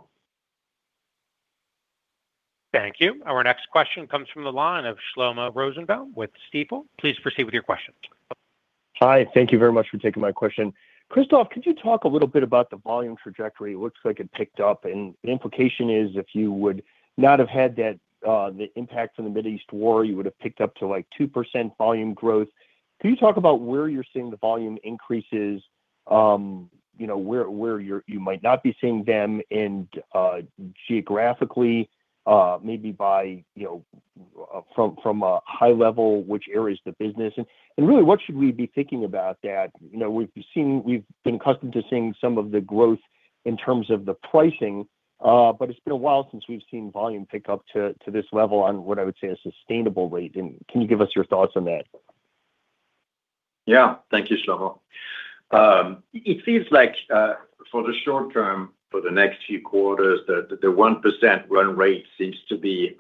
Thank you. Our next question comes from the line of Shlomo Rosenbaum with Stifel. Please proceed with your question. Hi, thank you very much for taking my question. Christophe, could you talk a little bit about the volume trajectory? It looks like it picked up, and the implication is if you would not have had the impact from the Middle East war, you would have picked up to 2% volume growth. Could you talk about where you're seeing the volume increases, where you might not be seeing them, and geographically, maybe from a high level, which areas of the business? Really, what should we be thinking about that? We've been accustomed to seeing some of the growth in terms of the pricing, but it's been a while since we've seen volume pick up to this level on what I would say a sustainable rate. Can you give us your thoughts on that? Yeah. Thank you, Shlomo. It seems like for the short term, for the next few quarters, the 1% run rate seems to be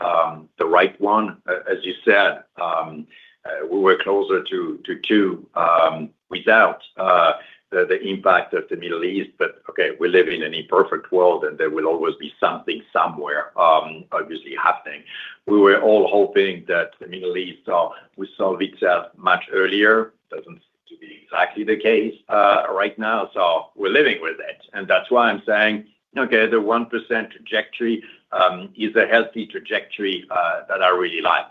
the right one. As you said, we were closer to 2% without the impact of the Middle East. Okay, we live in an imperfect world, and there will always be something somewhere obviously happening. We were all hoping that the Middle East would solve itself much earlier. Doesn't seem to be exactly the case right now. We're living with it, and that's why I'm saying, okay, the 1% trajectory is a healthy trajectory that I really like.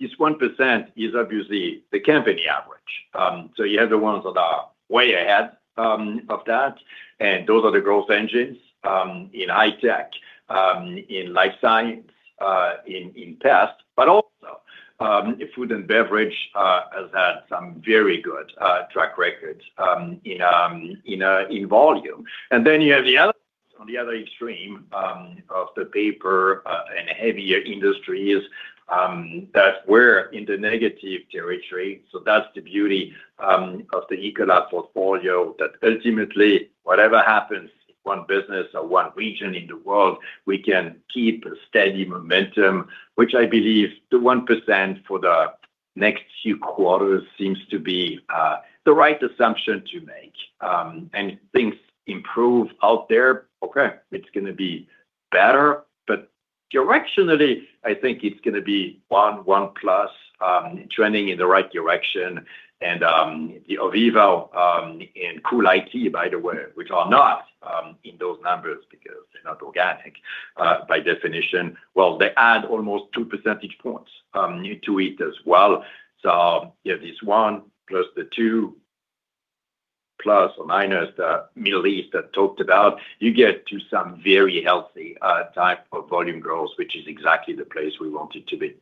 This 1% is obviously the company average. You have the ones that are way ahead of that, and those are the growth engines in High-Tech, in Life Science, in Pest. But also, Food & Beverage has had some very good track records in volume. Then you have the other on the other extreme of the Paper and heavier industries that were in the negative territory. That's the beauty of the Ecolab portfolio, that ultimately, whatever happens in one business or one region in the world, we can keep a steady momentum, which I believe the 1% for the next few quarters seems to be the right assumption to make. Things improve out there. It's going to be better, but directionally, I think it's going to be 1%+ trending in the right direction. Ovivo and CoolIT, by the way, which are not in those numbers because they're not organic by definition. Well, they add almost two percentage points to it as well. You have this 1%+ the 2%± the Middle East I talked about. You get to some very healthy type of volume growth, which is exactly the place we wanted to be.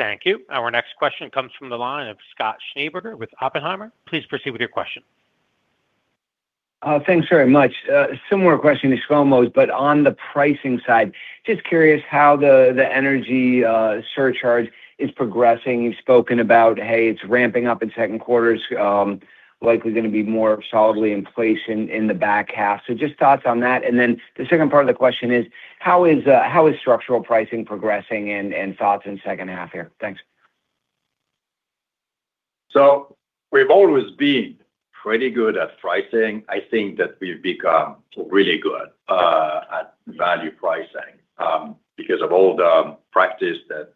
Thank you. Our next question comes from the line of Scott Schneeberger with Oppenheimer. Please proceed with your question. Thanks very much. Similar question to Shlomo's, but on the pricing side, just curious how the energy surcharge is progressing. You've spoken about, hey, it's ramping up in second quarter, likely going to be more solidly in place in the back half. Just thoughts on that. The second part of the question is how is structural pricing progressing and thoughts in second half here? Thanks. We've always been pretty good at pricing. I think that we've become really good at value pricing because of all the practice that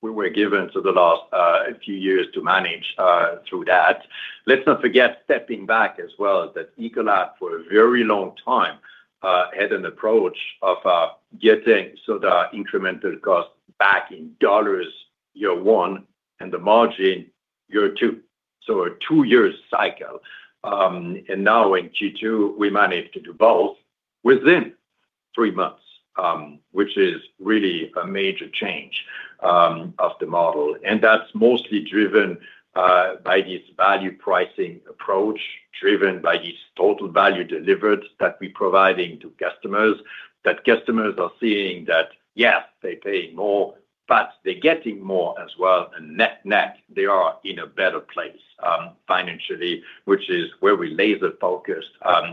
we were given for the last few years to manage through that. Let's not forget stepping back as well, that Ecolab, for a very long time, had an approach of getting the incremental cost back in dollars year one and the margin year two. A two-year cycle. Now in Q2, we managed to do both within three months, which is really a major change of the model. That's mostly driven by this value pricing approach, driven by this total value delivered that we're providing to customers, that customers are seeing that, yes, they're paying more, but they're getting more as well. Net-net, they are in a better place financially, which is where we laser-focused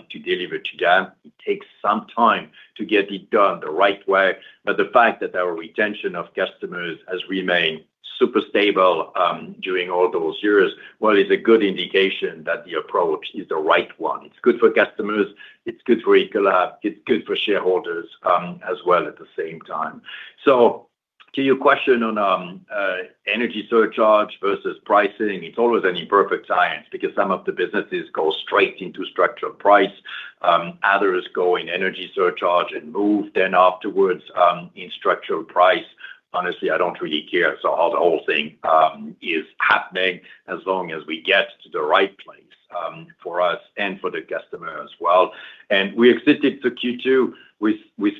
to deliver to them. It takes some time to get it done the right way. The fact that our retention of customers has remained super stable during all those years, well, it's a good indication that the approach is the right one. It's good for customers, it's good for Ecolab, it's good for shareholders as well at the same time. To your question on energy surcharge versus pricing, it's always an imperfect science because some of the businesses go straight into structural price. Others go in energy surcharge and move then afterwards in structural price. Honestly, I don't really care how the whole thing is happening as long as we get to the right place for us and for the customer as well. We exited to Q2 with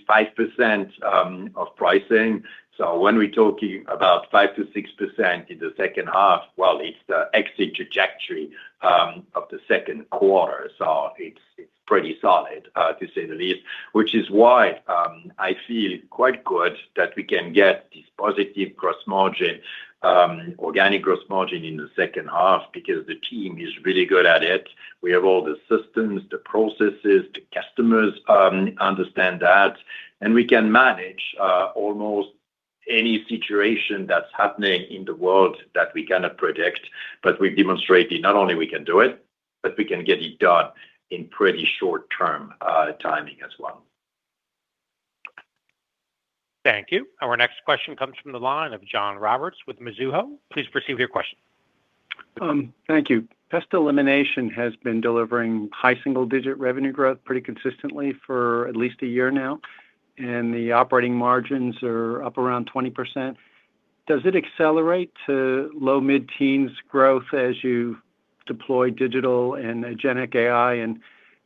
5% of pricing. When we're talking about 5%-6% in the second half, well, it's the exit trajectory of the second quarter. It's pretty solid, to say the least. Which is why I feel quite good that we can get this positive gross margin, organic gross margin in the second half because the team is really good at it. We have all the systems, the processes, the customers understand that, and we can manage almost any situation that's happening in the world that we cannot predict. We've demonstrated not only we can do it, but we can get it done in pretty short-term timing as well. Thank you. Our next question comes from the line of John Roberts with Mizuho. Please proceed with your question. Thank you. Pest Elimination has been delivering high single-digit revenue growth pretty consistently for at least a year now, and the operating margins are up around 20%. Does it accelerate to low mid-teens growth as you deploy digital and agentic AI?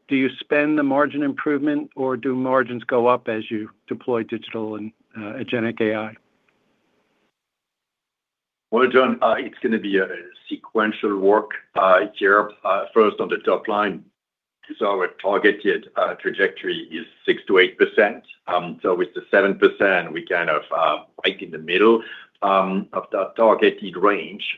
Do you spend the margin improvement, or do margins go up as you deploy digital and agentic AI? Well, John, it's going to be a sequential work here. First, on the top line. Our targeted trajectory is 6% to 8%. With the 7%, we kind of right in the middle of that targeted range,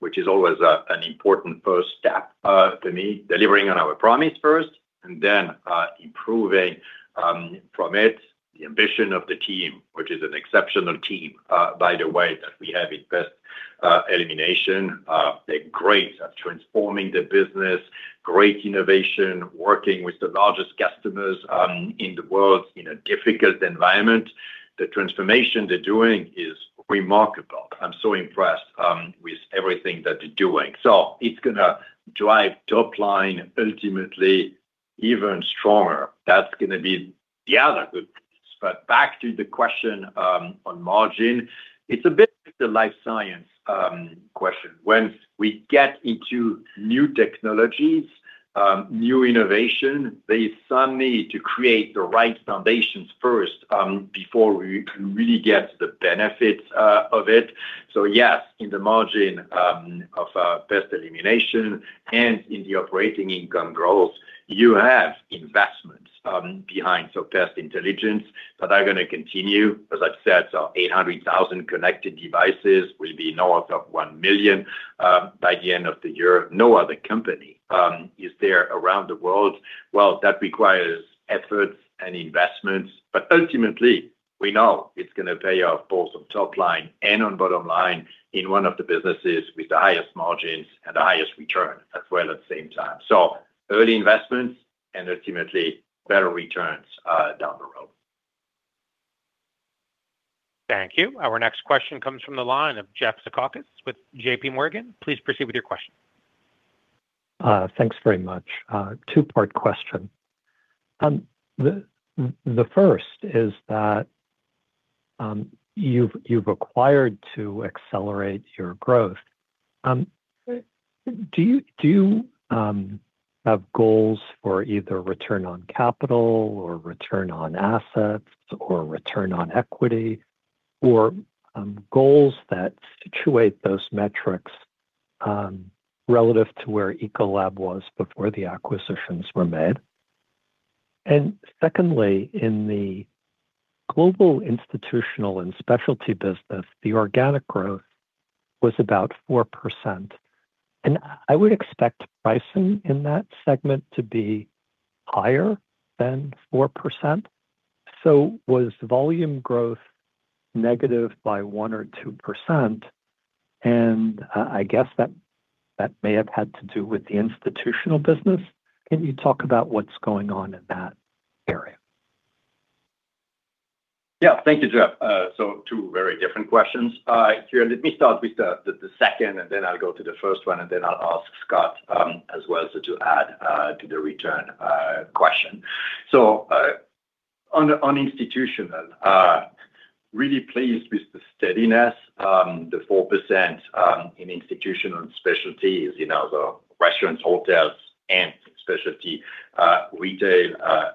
which is always an important first step to me, delivering on our promise first and then improving from it. The ambition of the team, which is an exceptional team, by the way, that we have in Pest Elimination. They're great at transforming the business, great innovation, working with the largest customers in the world in a difficult environment. The transformation they're doing is remarkable. I'm so impressed with everything that they're doing. It's going to drive top line ultimately even stronger. That's going to be the other good news. Back to the question on margin, it's a bit of a Life Science question. When we get into new technologies, new innovation, there is some need to create the right foundations first before we can really get the benefits of it. Yes, in the margin of Pest Elimination and in the operating income growth, you have investments behind. Pest Intelligence, but they're going to continue. As I've said, 800,000 connected devices will be north of 1 million by the end of the year. No other company is there around the world. Well, that requires efforts and investments, but ultimately, we know it's going to pay off both on top line and on bottom line in one of the businesses with the highest margins and the highest return as well at the same time. Early investments and ultimately better returns down the road. Thank you. Our next question comes from the line of Jeff Zekauskas with JPMorgan. Please proceed with your question. Thanks very much. Two-part question. The first is that you've acquired to accelerate your growth. Do you have goals for either return on capital or return on assets or return on equity, or goals that situate those metrics relative to where Ecolab was before the acquisitions were made? Secondly, in the Global Institutional & Specialty business, the organic growth was about 4%, and I would expect pricing in that segment to be higher than 4%. Was volume growth negative by 1% or 2%? I guess that may have had to do with the Institutional business. Can you talk about what's going on in that area? Yeah. Thank you, Jeff. Two very different questions here. Let me start with the second, and then I'll go to the first one, and then I'll ask Scott as well, so to add to the return question. On Institutional, really pleased with the steadiness. The 4% in Institutional & Specialty is the restaurants, hotels, and specialty retail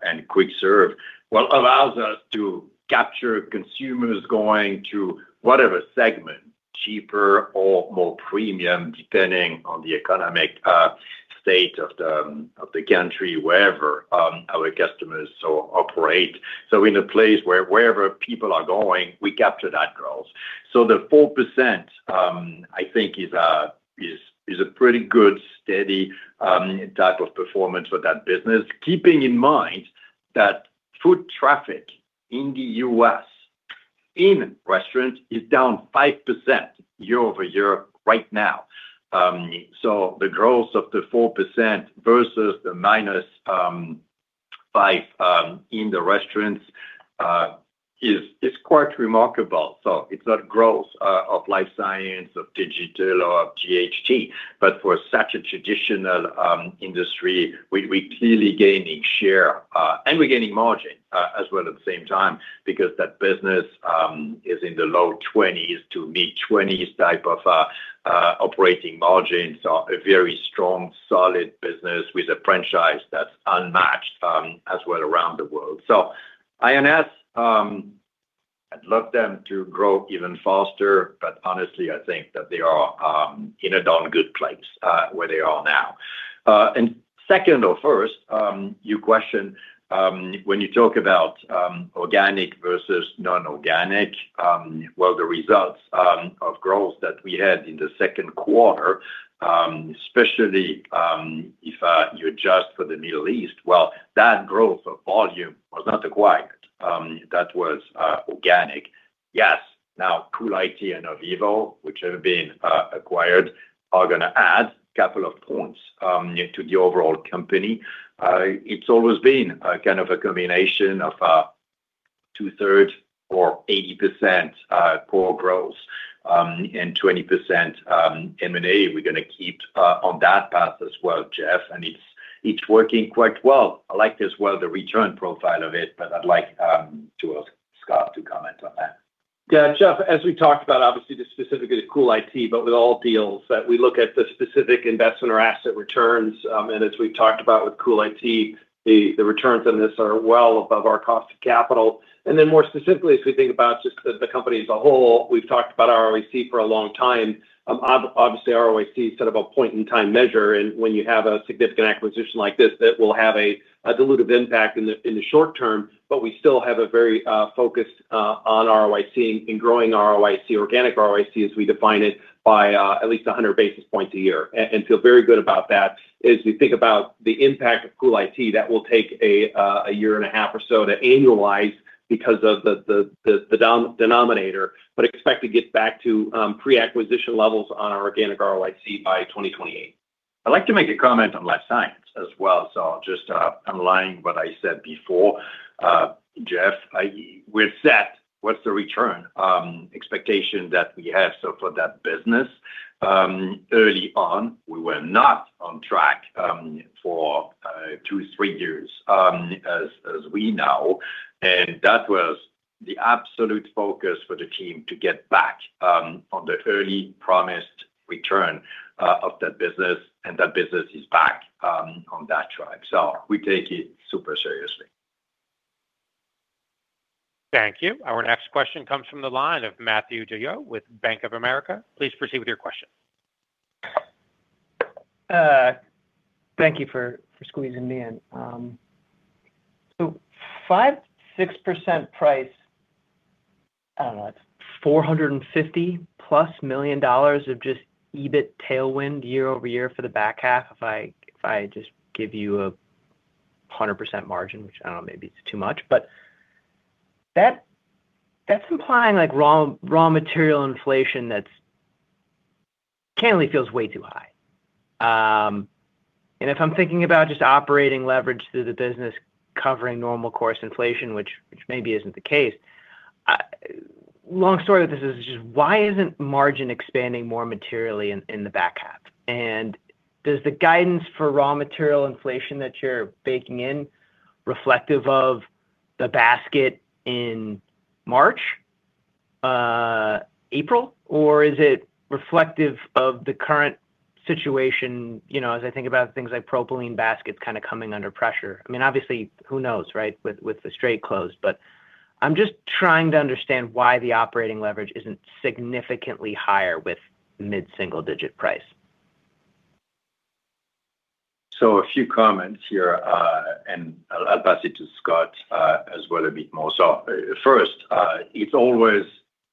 and quick serve, well, allows us to capture consumers going to whatever segment, cheaper or more premium, depending on the economic state of the country, wherever our customers operate. In a place wherever people are going, we capture that growth. The 4%, I think is a pretty good, steady type of performance for that business. Keeping in mind that foot traffic in the U.S. in restaurants is down 5% year-over-year right now. The growth of the 4% versus the -5% in the restaurants is quite remarkable. It's not growth of life science, of digital, or of GHT. For such a traditional industry, we're clearly gaining share, and we're gaining margin as well at the same time, because that business is in the low 20s to mid-20s type of operating margins. A very strong, solid business with a franchise that's unmatched as well around the world. I&S, I'd love them to grow even faster, but honestly, I think that they are in a darn good place where they are now. Second or first, you question when you talk about organic versus non-organic. The results of growth that we had in the second quarter, especially if you adjust for the Middle East, well, that growth of volume was not acquired. That was organic. Yes. Now CoolIT and Ovivo, which have been acquired, are going to add a couple of points to the overall company. It's always been a kind of a combination of two-thirds or 80% core growth and 20% M&A. We're going to keep on that path as well, Jeff, and it's working quite well. I like it as well the return profile of it, but I'd like to ask Scott to comment on that. Jeff, as we talked about, obviously this specifically to CoolIT, but with all deals that we look at the specific investment or asset returns. As we've talked about with CoolIT, the returns on this are well above our cost of capital. More specifically, as we think about just the company as a whole, we've talked about ROIC for a long time. ROIC is sort of a point-in-time measure, and when you have a significant acquisition like this, that will have a dilutive impact in the short term. We still have a very focus on ROIC and growing ROIC, organic ROIC, as we define it by at least 100 basis points a year and feel very good about that. As we think about the impact of CoolIT, that will take a year and a half or so to annualize because of the denominator, but expect to get back to pre-acquisition levels on our organic ROIC by 2028. I'd like to make a comment on Life Science as well. I'll just underline what I said before, Jeff. With that, what's the return expectation that we have so for that business? Early on, we were not on track for two, three years as we now, That was the absolute focus for the team to get back on the early promised return of that business, That business is back on that track. We take it super seriously. Thank you. Our next question comes from the line of Matthew DeYoe with Bank of America. Please proceed with your question. Thank you for squeezing me in. 5%, 6% price I don't know. That's $450+ million of just EBIT tailwind year-over-year for the back half if I just give you a 100% margin, which I don't know, maybe it's too much. That's implying raw material inflation that candidly feels way too high. If I'm thinking about just operating leverage through the business covering normal course inflation, which maybe isn't the case. Long story, this is just why isn't margin expanding more materially in the back half? Does the guidance for raw material inflation that you're baking in reflective of the basket in March, April, or is it reflective of the current situation? As I think about things like propylene baskets kind of coming under pressure. Obviously, who knows, right? With the strait closed. I'm just trying to understand why the operating leverage isn't significantly higher with mid-single-digit price. A few comments here. I'll pass it to Scott as well a bit more. First, it's always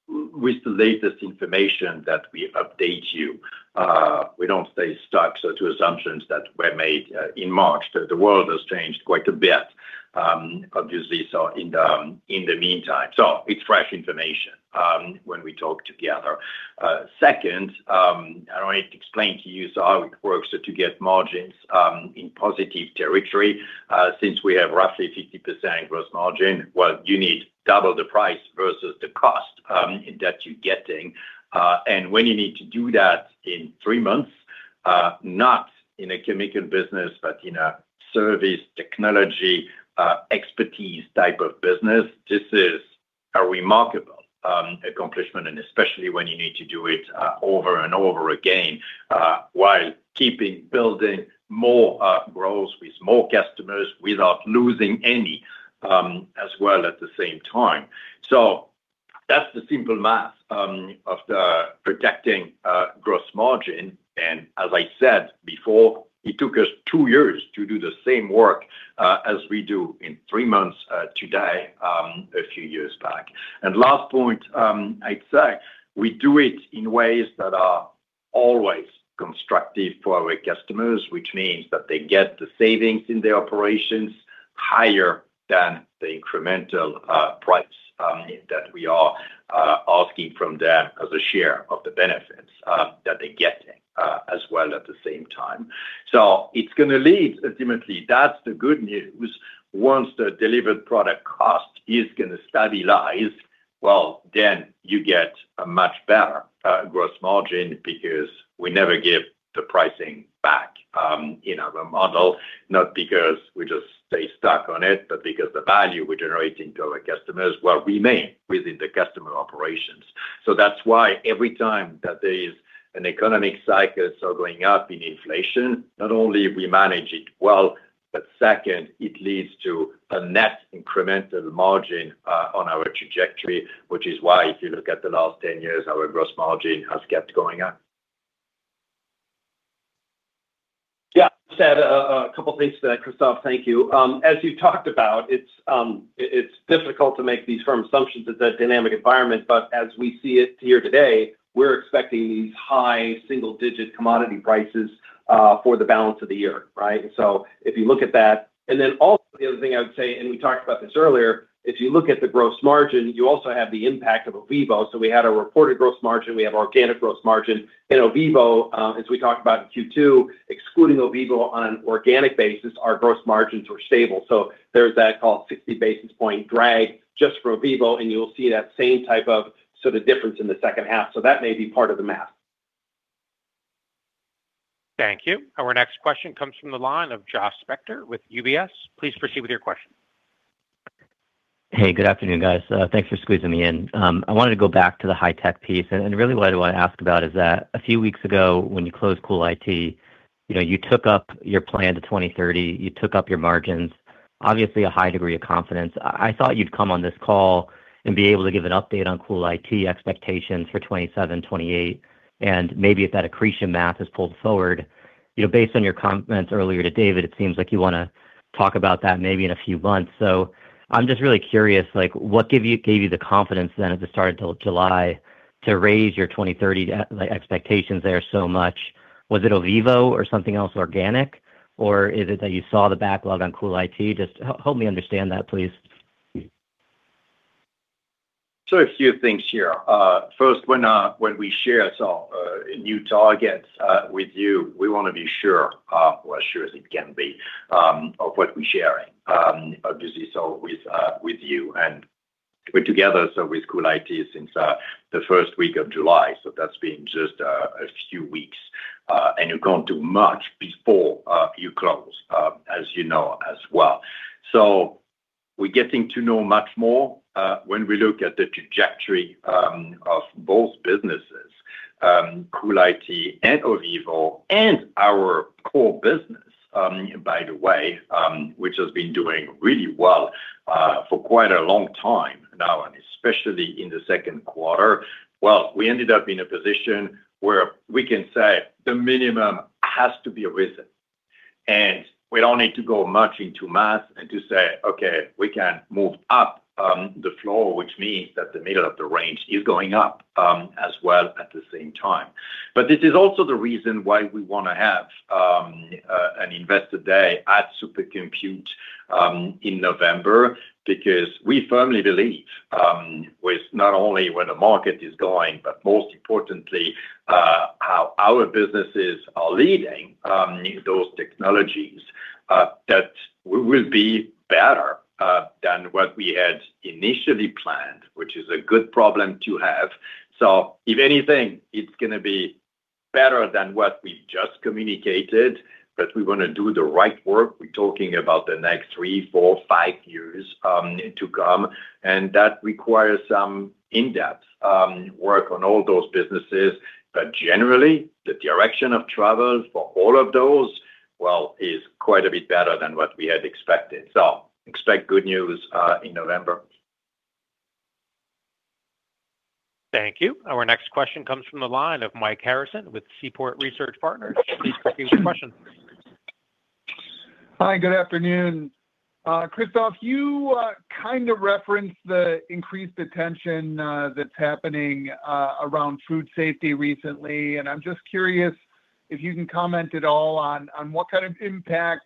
with the latest information that we update you. We don't stay stuck. To assumptions that were made in March, the world has changed quite a bit obviously, in the meantime. It's fresh information when we talk together. Second, I don't need to explain to you how it works to get margins in positive territory. Since we have roughly 50% gross margin, well, you need double the price versus the cost that you're getting. When you need to do that in three months, not in a chemical business, but in a service technology expertise type of business, this is a remarkable accomplishment. Especially when you need to do it over and over again while keeping building more growth with more customers without losing any, as well at the same time. That's the simple math of the protecting gross margin. As I said before, it took us two years to do the same work as we do in three months today, a few years back. Last point, I'd say we do it in ways that are always constructive for our customers, which means that they get the savings in their operations higher than the incremental price that we are asking from them as a share of the benefits that they're getting as well at the same time. It's going to lead ultimately, that's the good news. Once the delivered product cost is going to stabilize, then you get a much better gross margin because we never give the pricing back in our model. Not because we just stay stuck on it, but because the value we're generating to our customers will remain within the customer operations. That's why every time that there is an economic cycle, going up in inflation, not only we manage it well, but second, it leads to a net incremental margin on our trajectory, which is why if you look at the last 10 years, our gross margin has kept going up. Yeah. Just add a couple of things to that, Christophe. Thank you. As you talked about, it's difficult to make these firm assumptions. It's a dynamic environment, but as we see it here today, we're expecting these high single-digit commodity prices for the balance of the year, right? If you look at that, then also the other thing I would say, and we talked about this earlier, if you look at the gross margin, you also have the impact of Ovivo. We had a reported gross margin. We have organic gross margin and Ovivo as we talked about in Q2, excluding Ovivo on an organic basis, our gross margins were stable. There's that call, 60 basis point drag just for Ovivo, and you'll see that same type of sort of difference in the second half. That may be part of the math. Thank you. Our next question comes from the line of Josh Spector with UBS. Please proceed with your question. Hey, good afternoon, guys. Thanks for squeezing me in. I wanted to go back to the High-Tech piece, and really what I want to ask about is that a few weeks ago when you closed CoolIT, you took up your plan to 2030. You took up your margins. Obviously, a high degree of confidence. I thought you'd come on this call and be able to give an update on CoolIT expectations for 2027, 2028, and maybe if that accretion math is pulled forward. Based on your comments earlier to David, it seems like you want to talk about that maybe in a few months. I'm just really curious, what gave you the confidence then at the start of July to raise your 2030 expectations there so much? Was it Ovivo or something else organic, or is it that you saw the backlog on CoolIT? Just help me understand that, please. A few things here. First, when we share new targets with you, we want to be sure, or as sure as it can be, of what we're sharing. Obviously, with you, and we're together with Cool IT since the first week of July. That's been just a few weeks. You can't do much before you close, as you know as well. We're getting to know much more when we look at the trajectory of both businesses, Cool IT and Ovivo and our core business, by the way, which has been doing really well for quite a long time now, and especially in the second quarter. Well, we ended up in a position where we can say the minimum has to be a reason. We don't need to go much into math and to say, "Okay, we can move up the floor," which means that the middle of the range is going up as well at the same time. This is also the reason why we want to have an Investor Day at SuperCompute in November, because we firmly believe with not only where the market is going, but most importantly, how our businesses are leading those technologies that we will be better than what we had initially planned, which is a good problem to have. If anything, it's going to be better than what we just communicated, we want to do the right work. We're talking about the next three, four, five years to come, that requires some in-depth work on all those businesses. Generally, the direction of travel for all of those, well, is quite a bit better than what we had expected. Expect good news in November. Thank you. Our next question comes from the line of Mike Harrison with Seaport Research Partners. Please proceed with your question. Hi, good afternoon. Christophe, you kind of referenced the increased attention that's happening around food safety recently. I'm just curious if you can comment at all on what kind of impact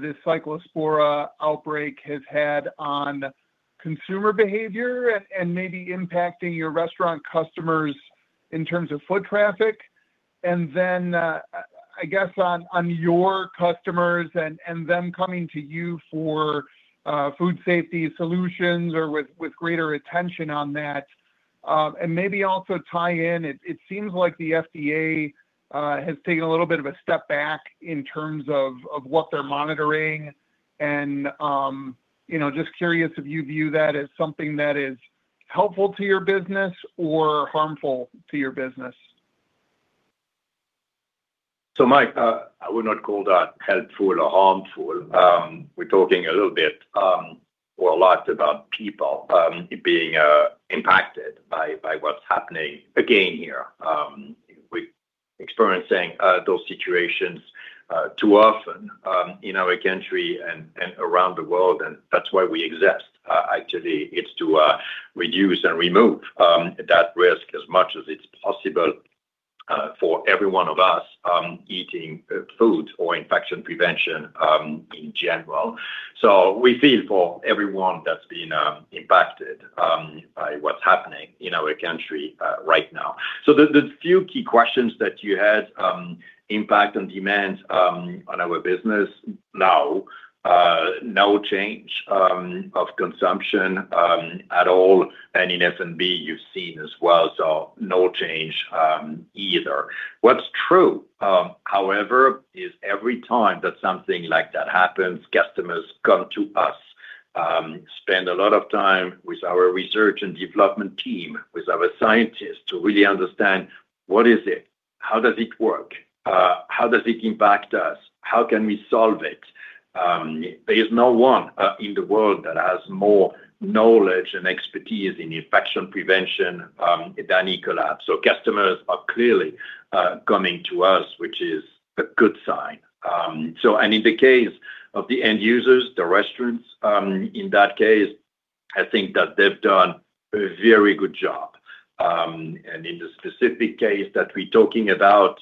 this Cyclospora outbreak has had on consumer behavior and maybe impacting your restaurant customers in terms of foot traffic. Then, I guess on your customers and them coming to you for food safety solutions or with greater attention on that. Maybe also tie in, it seems like the FDA has taken a little bit of a step back in terms of what they're monitoring and just curious if you view that as something that is helpful to your business or harmful to your business. Mike, I would not call that helpful or harmful. We're talking a little bit, or a lot, about people being impacted by what's happening again here. We're experiencing those situations too often in our country and around the world, and that's why we exist. Actually, it's to reduce and remove that risk as much as it's possible for every one of us eating food, or infection prevention in general. We feel for everyone that's been impacted by what's happening in our country right now. The few key questions that you had, impact on demand on our business now. No change of consumption at all. In F&B, you've seen as well. No change either. What's true, however, is every time that something like that happens, customers come to us, spend a lot of time with our research and development team, with our scientists to really understand what is it, how does it work? How does it impact us? How can we solve it? There is no one in the world that has more knowledge and expertise in infection prevention than Ecolab. Customers are clearly coming to us, which is a good sign. In the case of the end users, the restaurants, in that case, I think that they've done a very good job. In the specific case that we're talking about,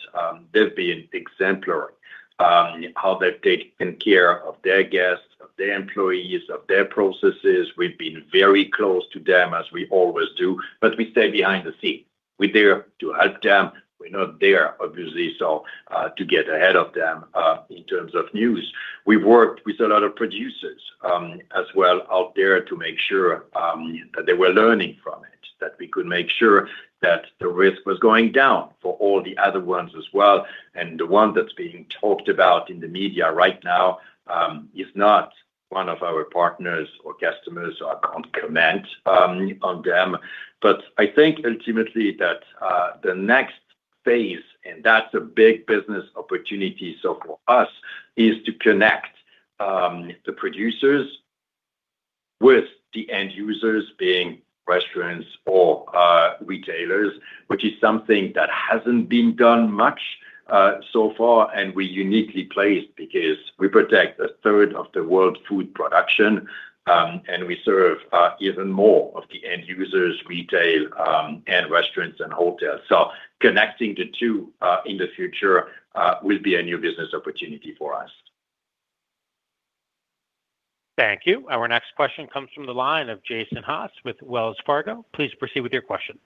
they've been exemplary in how they've taken care of their guests, of their employees, of their processes. We've been very close to them, as we always do, but we stay behind the scene. We're there to help them. We're not there, obviously, to get ahead of them in terms of news. We've worked with a lot of producers as well out there to make sure that they were learning from it, that we could make sure that the risk was going down for all the other ones as well. The one that's being talked about in the media right now is not one of our partners or customers, so I can't comment on them. I think ultimately that the next phase, and that's a big business opportunity, for us, is to connect the producers with the end users, being restaurants or retailers, which is something that hasn't been done much so far. We're uniquely placed because we protect a third of the world's food production, and we serve even more of the end users, retail, and restaurants and hotels. Connecting the two in the future will be a new business opportunity for us. Thank you. Our next question comes from the line of Jason Haas with Wells Fargo. Please proceed with your question.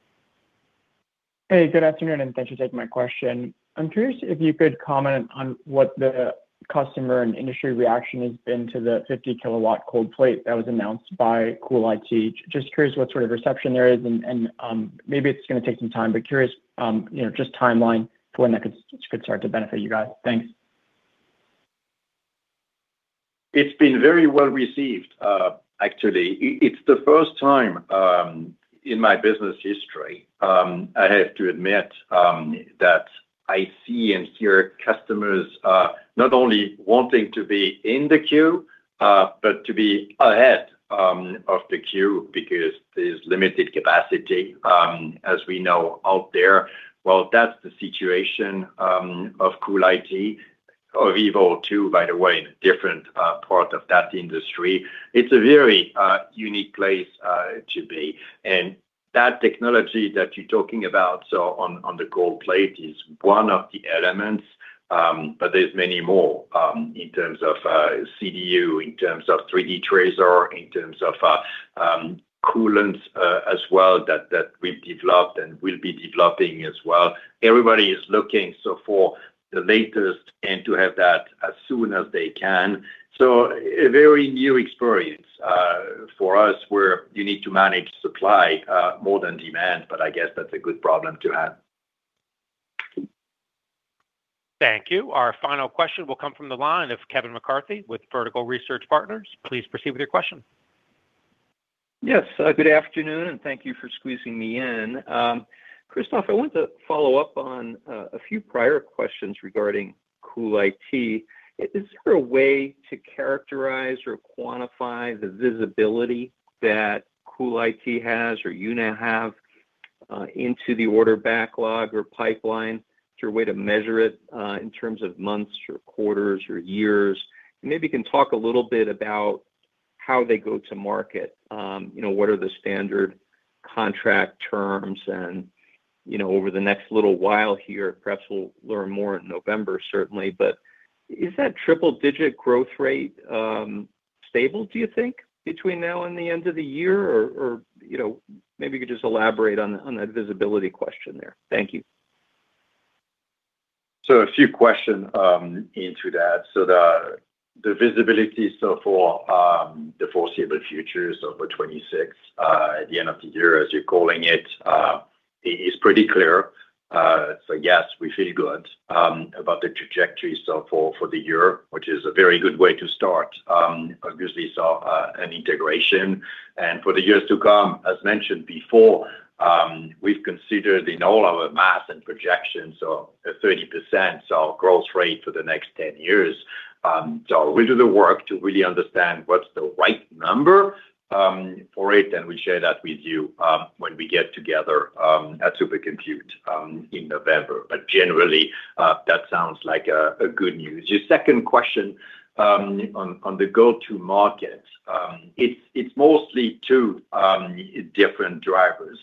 Hey, good afternoon, and thanks for taking my question. I'm curious if you could comment on what the customer and industry reaction has been to the 50 kW coldplate that was announced by CoolIT. Just curious what sort of reception there is, and maybe it's going to take some time, but curious just timeline for when that could start to benefit you guys. Thanks. It's been very well received. Actually, it's the first time in my business history, I have to admit, that I see and hear customers not only wanting to be in the queue but to be ahead of the queue because there's limited capacity, as we know out there. Well, that's the situation of CoolIT, of Ovivo too, by the way, in a different part of that industry. It's a very unique place to be. That technology that you're talking about, so on the coldplate is one of the elements, but there's many more in terms of CDU, in terms of 3D TRASAR, in terms of coolants as well, that we've developed and will be developing as well. Everybody is looking so for the latest and to have that as soon as they can. A very new experience for us, where you need to manage supply more than demand, but I guess that's a good problem to have. Thank you. Our final question will come from the line of Kevin McCarthy with Vertical Research Partners. Please proceed with your question. Yes. Good afternoon, and thank you for squeezing me in. Christophe, I want to follow up on a few prior questions regarding CoolIT. Is there a way to characterize or quantify the visibility that CoolIT has, or you now have into the order backlog or pipeline? Is there a way to measure it in terms of months or quarters or years? Maybe you can talk a little bit about how they go to market. What are the standard contract terms? Over the next little while here, perhaps we'll learn more in November, certainly, but is that triple-digit growth rate stable, do you think, between now and the end of the year? Or maybe you could just elaborate on that visibility question there. Thank you. A few questions into that. The visibility for the foreseeable future, for 2026, at the end of the year, as you're calling it, is pretty clear. Yes, we feel good about the trajectory for the year, which is a very good way to start. Obviously, saw an integration. For the years to come, as mentioned before, we've considered in all our math and projections a 30% growth rate for the next 10 years. We'll do the work to really understand what's the right number for it, and we'll share that with you when we get together at SuperCompute in November. Generally, that sounds like good news. Your second question on the go-to-market. It's mostly two different drivers.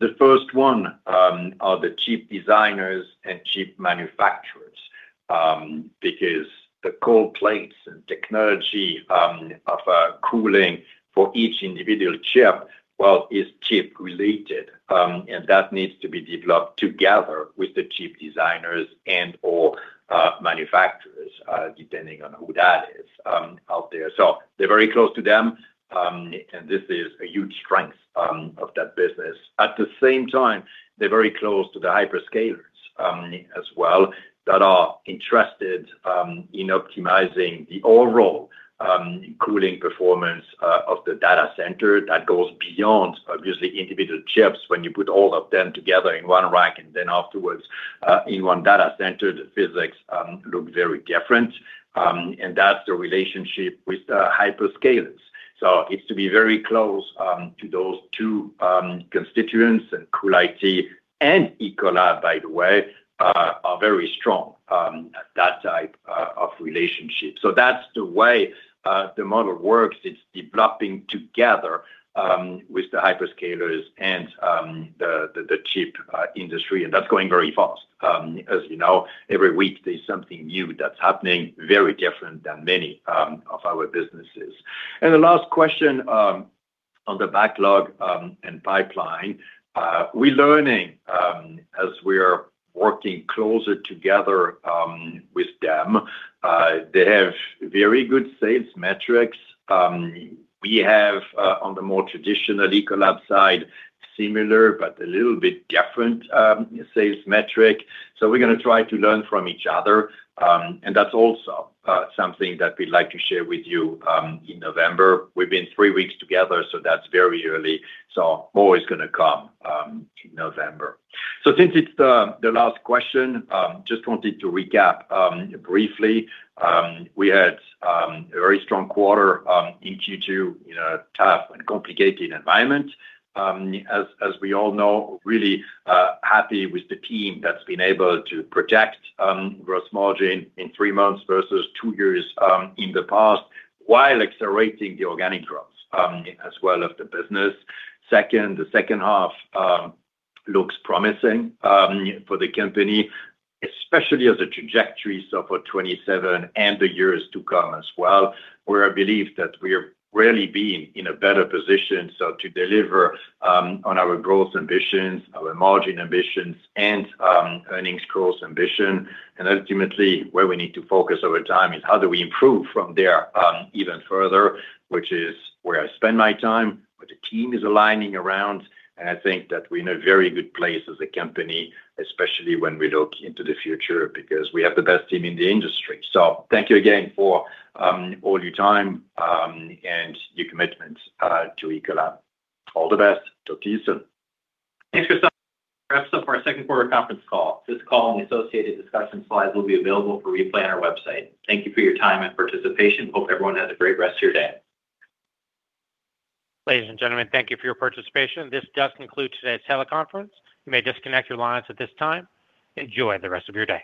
The first one are the chip designers and chip manufacturers, because the coldplate and technology of cooling for each individual chip well is chip related. That needs to be developed together with the chip designers and/or manufacturers, depending on who that is out there. They're very close to them, and this is a huge strength of that business. At the same time, they're very close to the hyperscalers as well, that are interested in optimizing the overall cooling performance of the data center that goes beyond obviously individual chips. When you put all of them together in one rack and then afterwards in one data center, the physics look very different. That's the relationship with hyperscalers. It's to be very close to those two constituents, and CoolIT Systems and Ecolab, by the way, are very strong at that type of relationship. That's the way the model works. It's developing together with the hyperscalers and the chip industry, and that's going very fast. As you know, every week there's something new that's happening very different than many of our businesses. The last question on the backlog and pipeline. We're learning as we are working closer together with them. They have very good sales metrics. We have on the more traditional Ecolab side, similar but a little bit different sales metric. We're going to try to learn from each other, and that's also something that we'd like to share with you in November. We've been three weeks together, that's very early. More is going to come November. Since it's the last question, just wanted to recap briefly. We had a very strong quarter in Q2 in a tough and complicated environment. As we all know, really happy with the team that's been able to protect gross margin in three months versus two years in the past, while accelerating the organic growth as well of the business. Second, the second half looks promising for the company, especially as a trajectory for 2027 and the years to come as well, where I believe that we've rarely been in a better position to deliver on our growth ambitions, our margin ambitions, and earnings growth ambition. Ultimately where we need to focus over time is how do we improve from there even further, which is where I spend my time, what the team is aligning around. I think that we're in a very good place as a company, especially when we look into the future because we have the best team in the industry. Thank you again for all your time, and your commitment to Ecolab. All the best. Talk to you soon. Thanks, Christophe. That's it for our second quarter conference call. This call and associated discussion slides will be available for replay on our website. Thank you for your time and participation. Hope everyone has a great rest of your day. Ladies and gentlemen, thank you for your participation. This does conclude today's teleconference. You may disconnect your lines at this time. Enjoy the rest of your day.